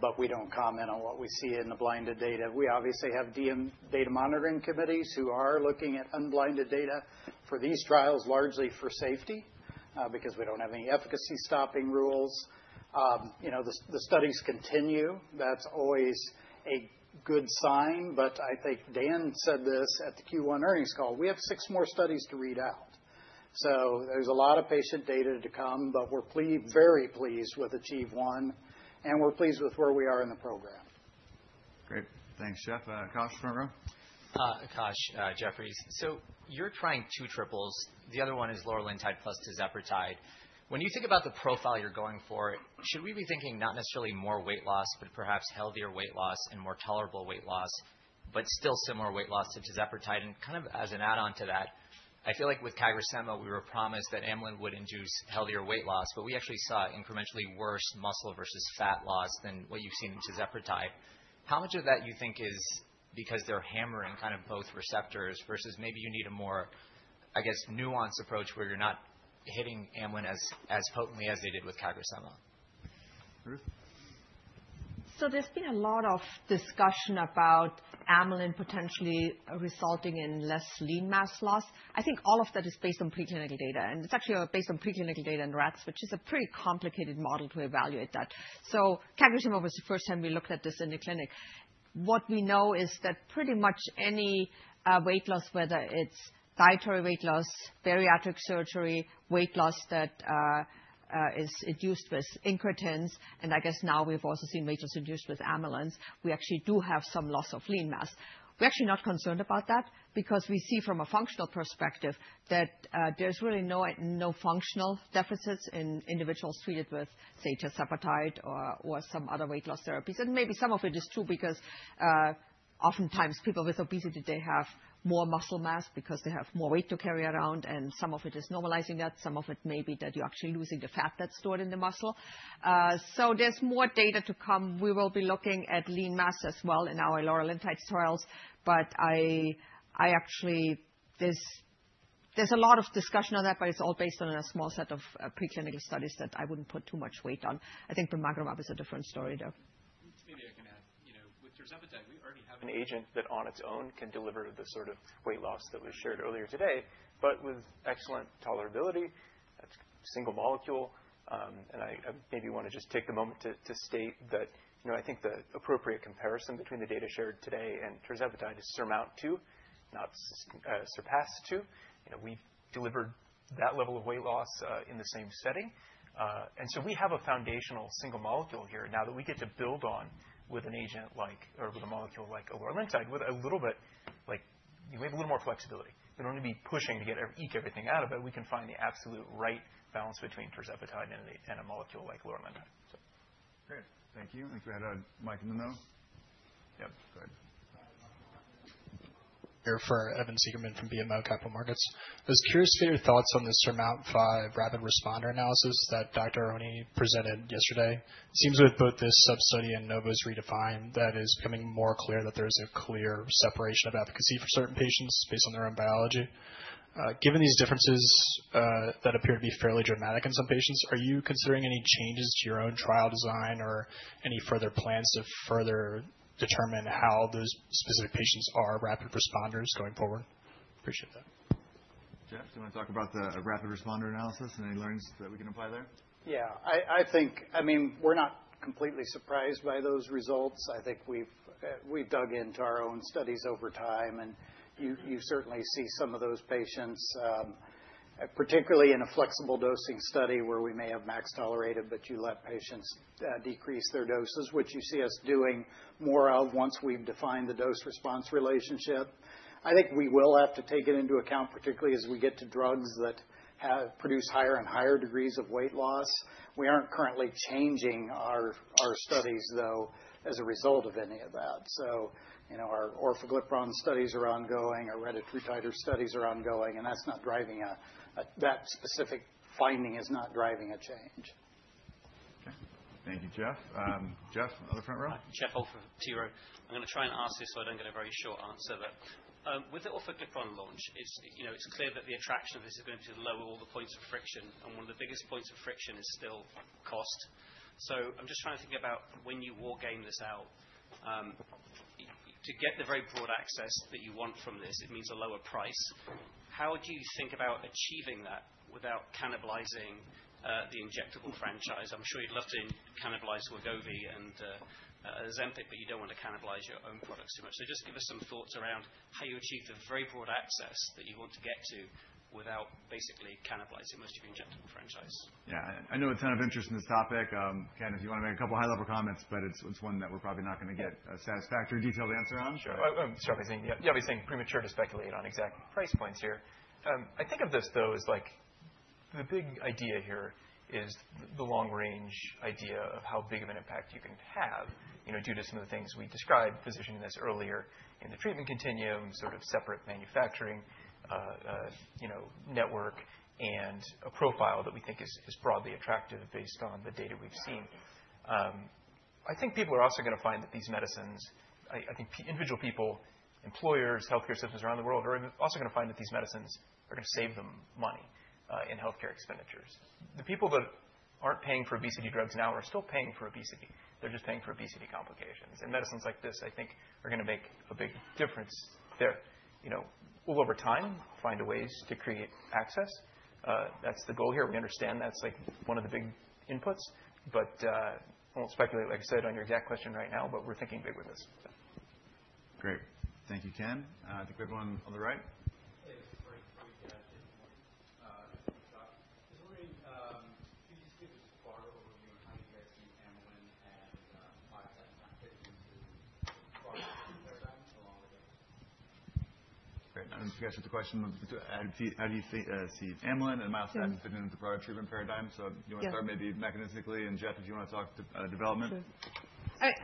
but we don't comment on what we see in the blinded data. We obviously have data monitoring committees who are looking at unblinded data for these trials, largely for safety, because we don't have any efficacy stopping rules. The studies continue. That's always a good sign. I think Dan said this at the Q1 earnings call, we have six more studies to read out. There is a lot of patient data to come, but we're very pleased with achieve one. We're pleased with where we are in the program. Great. Thanks, Jeff. Akash from ORFO. Akash, Jefferies. So you're trying two triples. The other one is Loralintide plus Tirzepatide. When you think about the profile you're going for, should we be thinking not necessarily more weight loss, but perhaps healthier weight loss and more tolerable weight loss, but still similar weight loss to Tirzepatide? Kind of as an add-on to that, I feel like with Cagrilintide, we were promised that amylin would induce healthier weight loss, but we actually saw incrementally worse muscle versus fat loss than what you've seen in Tirzepatide. How much of that do you think is because they're hammering kind of both receptors versus maybe you need a more, I guess, nuanced approach where you're not hitting amylin as potently as they did with Cagrilintide? Ruth? There's been a lot of discussion about amylin potentially resulting in less lean mass loss. I think all of that is based on preclinical data. It's actually based on preclinical data in rats, which is a pretty complicated model to evaluate that. Chirisema was the first time we looked at this in the clinic. What we know is that pretty much any weight loss, whether it's dietary weight loss, bariatric surgery, weight loss that is induced with incretins, and I guess now we've also seen weight loss induced with amylins, we actually do have some loss of lean mass. We're actually not concerned about that because we see from a functional perspective that there's really no functional deficits in individuals treated with, say, tirzepatide or some other weight loss therapies. Maybe some of it is true because oftentimes people with obesity, they have more muscle mass because they have more weight to carry around. Some of it is normalizing that. Some of it may be that you're actually losing the fat that's stored in the muscle. There is more data to come. We will be looking at lean mass as well in our Loralintide trials. There is a lot of discussion on that, but it's all based on a small set of preclinical studies that I wouldn't put too much weight on. I think the macro map is a different story, though. Maybe I can add. With tirzepatide, we already have an agent that on its own can deliver the sort of weight loss that was shared earlier today, but with excellent tolerability. That is single molecule. I maybe want to just take the moment to state that I think the appropriate comparison between the data shared today and tirzepatide is SURMOUNT-2, not SURPASS-2. We delivered that level of weight loss in the same setting. We have a foundational single molecule here now that we get to build on with an agent like, or with a molecule like loralintide, with a little bit, like, we have a little more flexibility. We do not need to be pushing to eke everything out of it. We can find the absolute right balance between tirzepatide and a molecule like loralintide. Great. Thank you. I think we had a mic in the middle. Yep. Go ahead. Here for Evan Seigerman from BMO Capital Markets. I was curious to get your thoughts on the SURMOUNT by rapid responder analysis that Dr. Oni presented yesterday. It seems with both this sub-study and Novo's REDEFINE, that it is becoming more clear that there is a clear separation of efficacy for certain patients based on their own biology. Given these differences that appear to be fairly dramatic in some patients, are you considering any changes to your own trial design or any further plans to further determine how those specific patients are rapid responders going forward? Appreciate that. Jeff, do you want to talk about the rapid responder analysis and any learnings that we can apply there? Yeah. I mean, we're not completely surprised by those results. I think we've dug into our own studies over time. And you certainly see some of those patients, particularly in a flexible dosing study where we may have max tolerated, but you let patients decrease their doses, which you see us doing more of once we've defined the dose-response relationship. I think we will have to take it into account, particularly as we get to drugs that produce higher and higher degrees of weight loss. We aren't currently changing our studies, though, as a result of any of that. Our orforglipron studies are ongoing. Our retatrutide studies are ongoing. That specific finding is not driving a change. Okay. Thank you, Jeff. Jeff, another front row? Jeff Opher of TRO. I'm going to try and answer this so I don't get a very short answer. With the orforglipron launch, it's clear that the attraction of this is going to be to lower all the points of friction. one of the biggest points of friction is still cost. I'm just trying to think about when you wargame this out. To get the very broad access that you want from this, it means a lower price. How do you think about achieving that without cannibalizing the injectable franchise? I'm sure you'd love to cannibalize Wegovy and Ozempic, but you don't want to cannibalize your own products too much. Just give us some thoughts around how you achieve the very broad access that you want to get to without basically cannibalizing most of your injectable franchise. Yeah. I know it's kind of interesting, this topic. Ken, if you want to make a couple of high-level comments, but it's one that we're probably not going to get a satisfactory detailed answer on. Sure. I was just thinking premature to speculate on exact price points here. I think of this, though, as the big idea here is the long-range idea of how big of an impact you can have due to some of the things we described, positioning this earlier in the treatment continuum, sort of separate manufacturing network, and a profile that we think is broadly attractive based on the data we've seen. I think people are also going to find that these medicines, I think individual people, employers, healthcare systems around the world are also going to find that these medicines are going to save them money in healthcare expenditures. The people that aren't paying for obesity drugs now are still paying for obesity. They're just paying for obesity complications. Medicines like this, I think, are going to make a big difference there. Over time, we'll find ways to create access. That's the goal here. We understand that's one of the big inputs. I won't speculate, like I said, on your exact question right now, but we're thinking big with this. Great. Thank you, Ken. I think we have one on the right. Hey, this is Frank from WakeMed in the morning. Just wondering, could you just give us a broader overview on how you guys see amylin and myostatin fitting into the broader treatment paradigm along with it? Great. I'm going to ask you the question of how do you see Amylin and Myostatin fitting into the broader treatment paradigm. Do you want to start maybe mechanistically? Jeff, did you want to talk to development? Sure.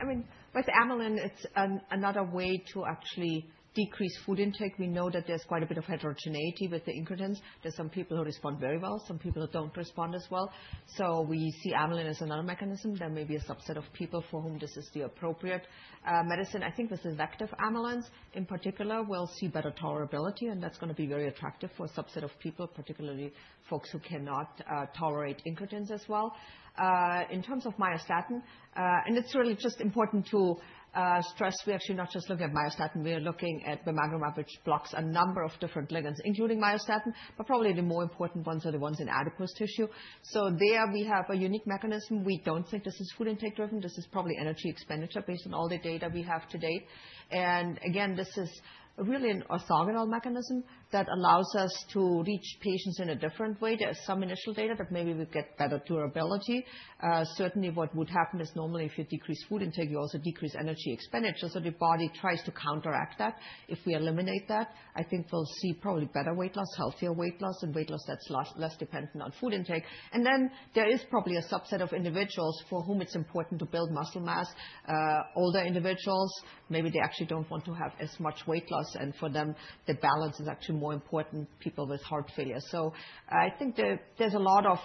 I mean, with amylin, it's another way to actually decrease food intake. We know that there's quite a bit of heterogeneity with the incretins. There's some people who respond very well. Some people who don't respond as well. We see amylin as another mechanism. There may be a subset of people for whom this is the appropriate medicine. I think with the effective amylins, in particular, we'll see better tolerability. That's going to be very attractive for a subset of people, particularly folks who cannot tolerate incretins as well. In terms of myostatin, and it's really just important to stress, we're actually not just looking at myostatin. We're looking at the macromab, which blocks a number of different ligands, including myostatin. Probably the more important ones are the ones in adipose tissue. There, we have a unique mechanism. We don't think this is food intake driven. This is probably energy expenditure based on all the data we have to date. Again, this is really an orthogonal mechanism that allows us to reach patients in a different way. There's some initial data that maybe we get better durability. Certainly, what would happen is normally if you decrease food intake, you also decrease energy expenditure. The body tries to counteract that. If we eliminate that, I think we'll see probably better weight loss, healthier weight loss, and weight loss that's less dependent on food intake. There is probably a subset of individuals for whom it's important to build muscle mass. Older individuals, maybe they actually don't want to have as much weight loss. For them, the balance is actually more important for people with heart failure. I think there's a lot of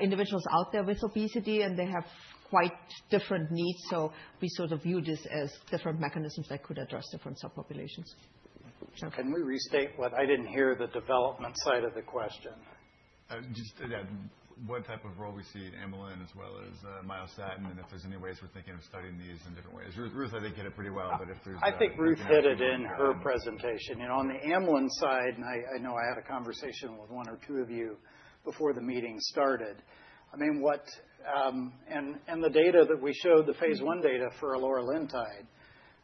individuals out there with obesity, and they have quite different needs. We sort of view this as different mechanisms that could address different subpopulations. Can we restate what I didn't hear? The development side of the question. Just what type of role we see in amylin as well as myostatin and if there's any ways we're thinking of studying these in different ways. Ruth, I think you hit it pretty well, but if there's any. I think Ruth hit it in her presentation. On the amylin side, and I know I had a conversation with one or two of you before the meeting started. I mean, and the data that we showed, the phase I data for loralintide,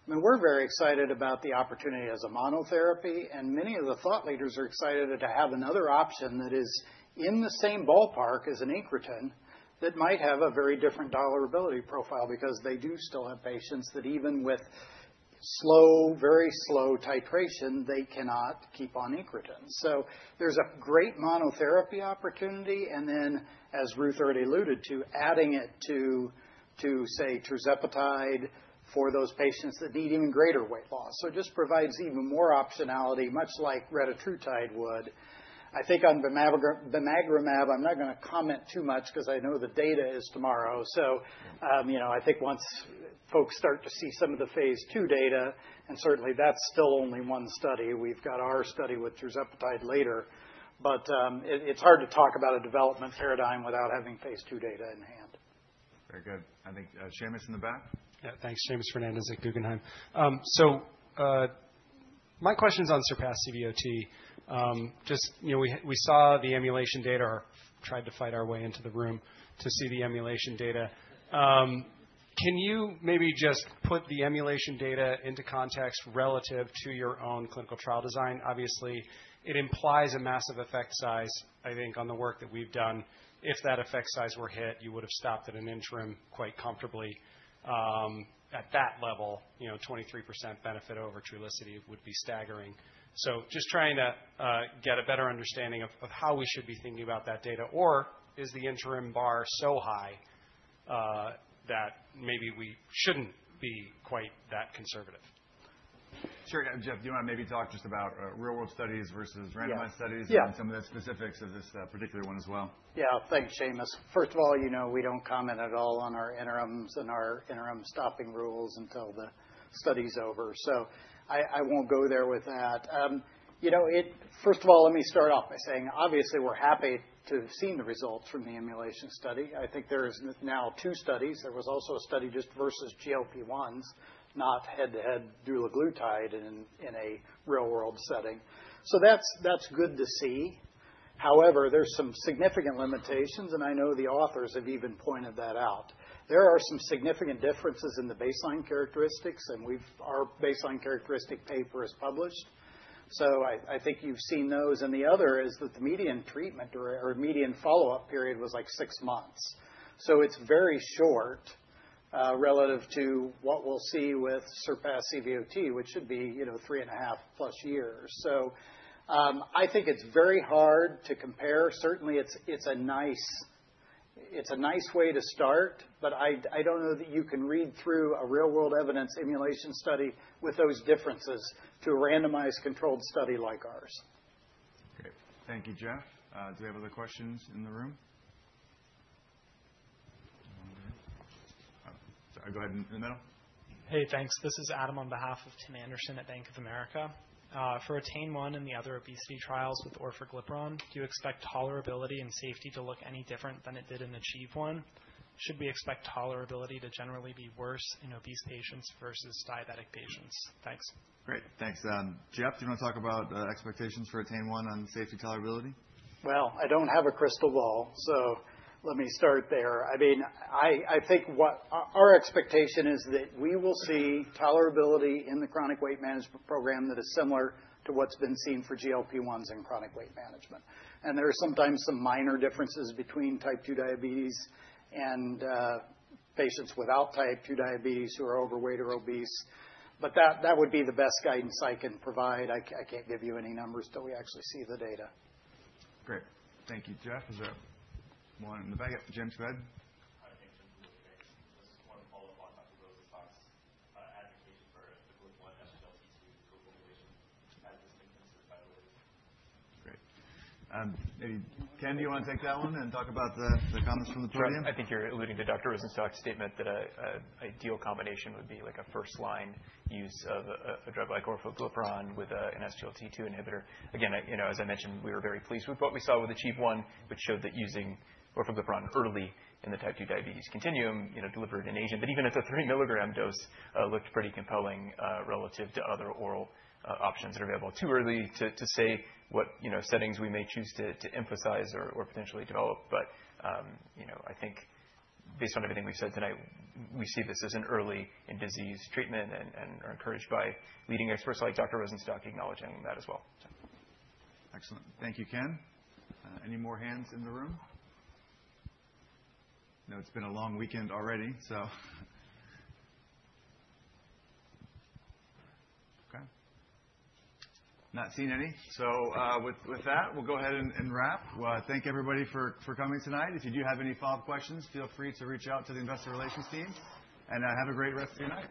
I mean, we're very excited about the opportunity as a monotherapy. And many of the thought leaders are excited to have another option that is in the same ballpark as an incretin that might have a very different tolerability profile because they do still have patients that even with slow, very slow titration, they cannot keep on incretins. There is a great monotherapy opportunity. As Ruth already alluded to, adding it to, say, tirzepatide for those patients that need even greater weight loss. It just provides even more optionality, much like retatrutide would. I think on bimagrumab, I'm not going to comment too much because I know the data is tomorrow. I think once folks start to see some of the phase two data, and certainly that's still only one study. We've got our study with tirzepatide later. It is hard to talk about a development paradigm without having phase two data in hand. Very good. I think Seamus in the back. Yeah. Thanks. Seamus Fernandez at Guggenheim. My question's on SURPASS CVOT. We saw the emulation data. I tried to fight our way into the room to see the emulation data. Can you maybe just put the emulation data into context relative to your own clinical trial design? Obviously, it implies a massive effect size, I think, on the work that we've done. If that effect size were hit, you would have stopped at an interim quite comfortably. At that level, 23% benefit over Trulicity would be staggering. Just trying to get a better understanding of how we should be thinking about that data. Is the interim bar so high that maybe we shouldn't be quite that conservative? Sure. Jeff, do you want to maybe talk just about real-world studies versus randomized studies and some of the specifics of this particular one as well? Yeah. Thanks, Seamus. First of all, we do not comment at all on our interims and our interim stopping rules until the study is over. I will not go there with that. First of all, let me start off by saying, obviously, we are happy to have seen the results from the emulation study. I think there are now two studies. There was also a study just versus GLP-1s, not head-to-head dulaglutide in a real-world setting. That is good to see. However, there are some significant limitations. I know the authors have even pointed that out. There are some significant differences in the baseline characteristics. Our baseline characteristic paper is published. I think you have seen those. The other is that the median treatment or median follow-up period was like six months. It's very short relative to what we'll see with SURPASS CVOT, which should be three and a half plus years. I think it's very hard to compare. Certainly, it's a nice way to start. I don't know that you can read through a real-world evidence emulation study with those differences to a randomized controlled study like ours. Great. Thank you, Jeff. Do we have other questions in the room? Sorry. Go ahead in the middle. Hey, thanks. This is Adam on behalf of Tim Anderson at Bank of America. For TANE-1 and the other obesity trials with orforglipron, do you expect tolerability and safety to look any different than it did in TANE-1? Should we expect tolerability to generally be worse in obese patients versus diabetic patients? Thanks. Great. Thanks. Jeff, do you want to talk about expectations for A1C on safety tolerability? I don't have a crystal ball. I mean, I think our expectation is that we will see tolerability in the chronic weight management program that is similar to what's been seen for GLP-1s in chronic weight management. There are sometimes some minor differences between type two diabetes and patients without type two diabetes who are overweight or obese. That would be the best guidance I can provide. I can't give you any numbers till we actually see the data. Great. Thank you, Jeff. Is there one in the back? Jim's good? I think Jim's a really good case. Just want to qualify Dr. Rosenstock's advocation for the GLP-1, SGLT2, and GLP-1 injection as it's been considered by the ways. Great. Maybe Ken, do you want to take that one and talk about the comments from the podium? Sure. I think you're alluding to Dr. Rosenstock's statement that an ideal combination would be a first-line use of a drug like orforglipron with an SGLT2 inhibitor. Again, as I mentioned, we were very pleased with what we saw with the TANE-1, which showed that using orforglipron early in the type two diabetes continuum delivered in Asia. Even at the three milligram dose, it looked pretty compelling relative to other oral options that are available. Too early to say what settings we may choose to emphasize or potentially develop. I think based on everything we've said tonight, we see this as an early in-disease treatment and are encouraged by leading experts like Dr. Rosenstock acknowledging that as well. Excellent. Thank you, Ken. Any more hands in the room? I know it has been a long weekend already, so. Okay. Not seeing any. With that, we will go ahead and wrap. Thank everybody for coming tonight. If you do have any follow-up questions, feel free to reach out to the investor relations team. Have a great rest of your night.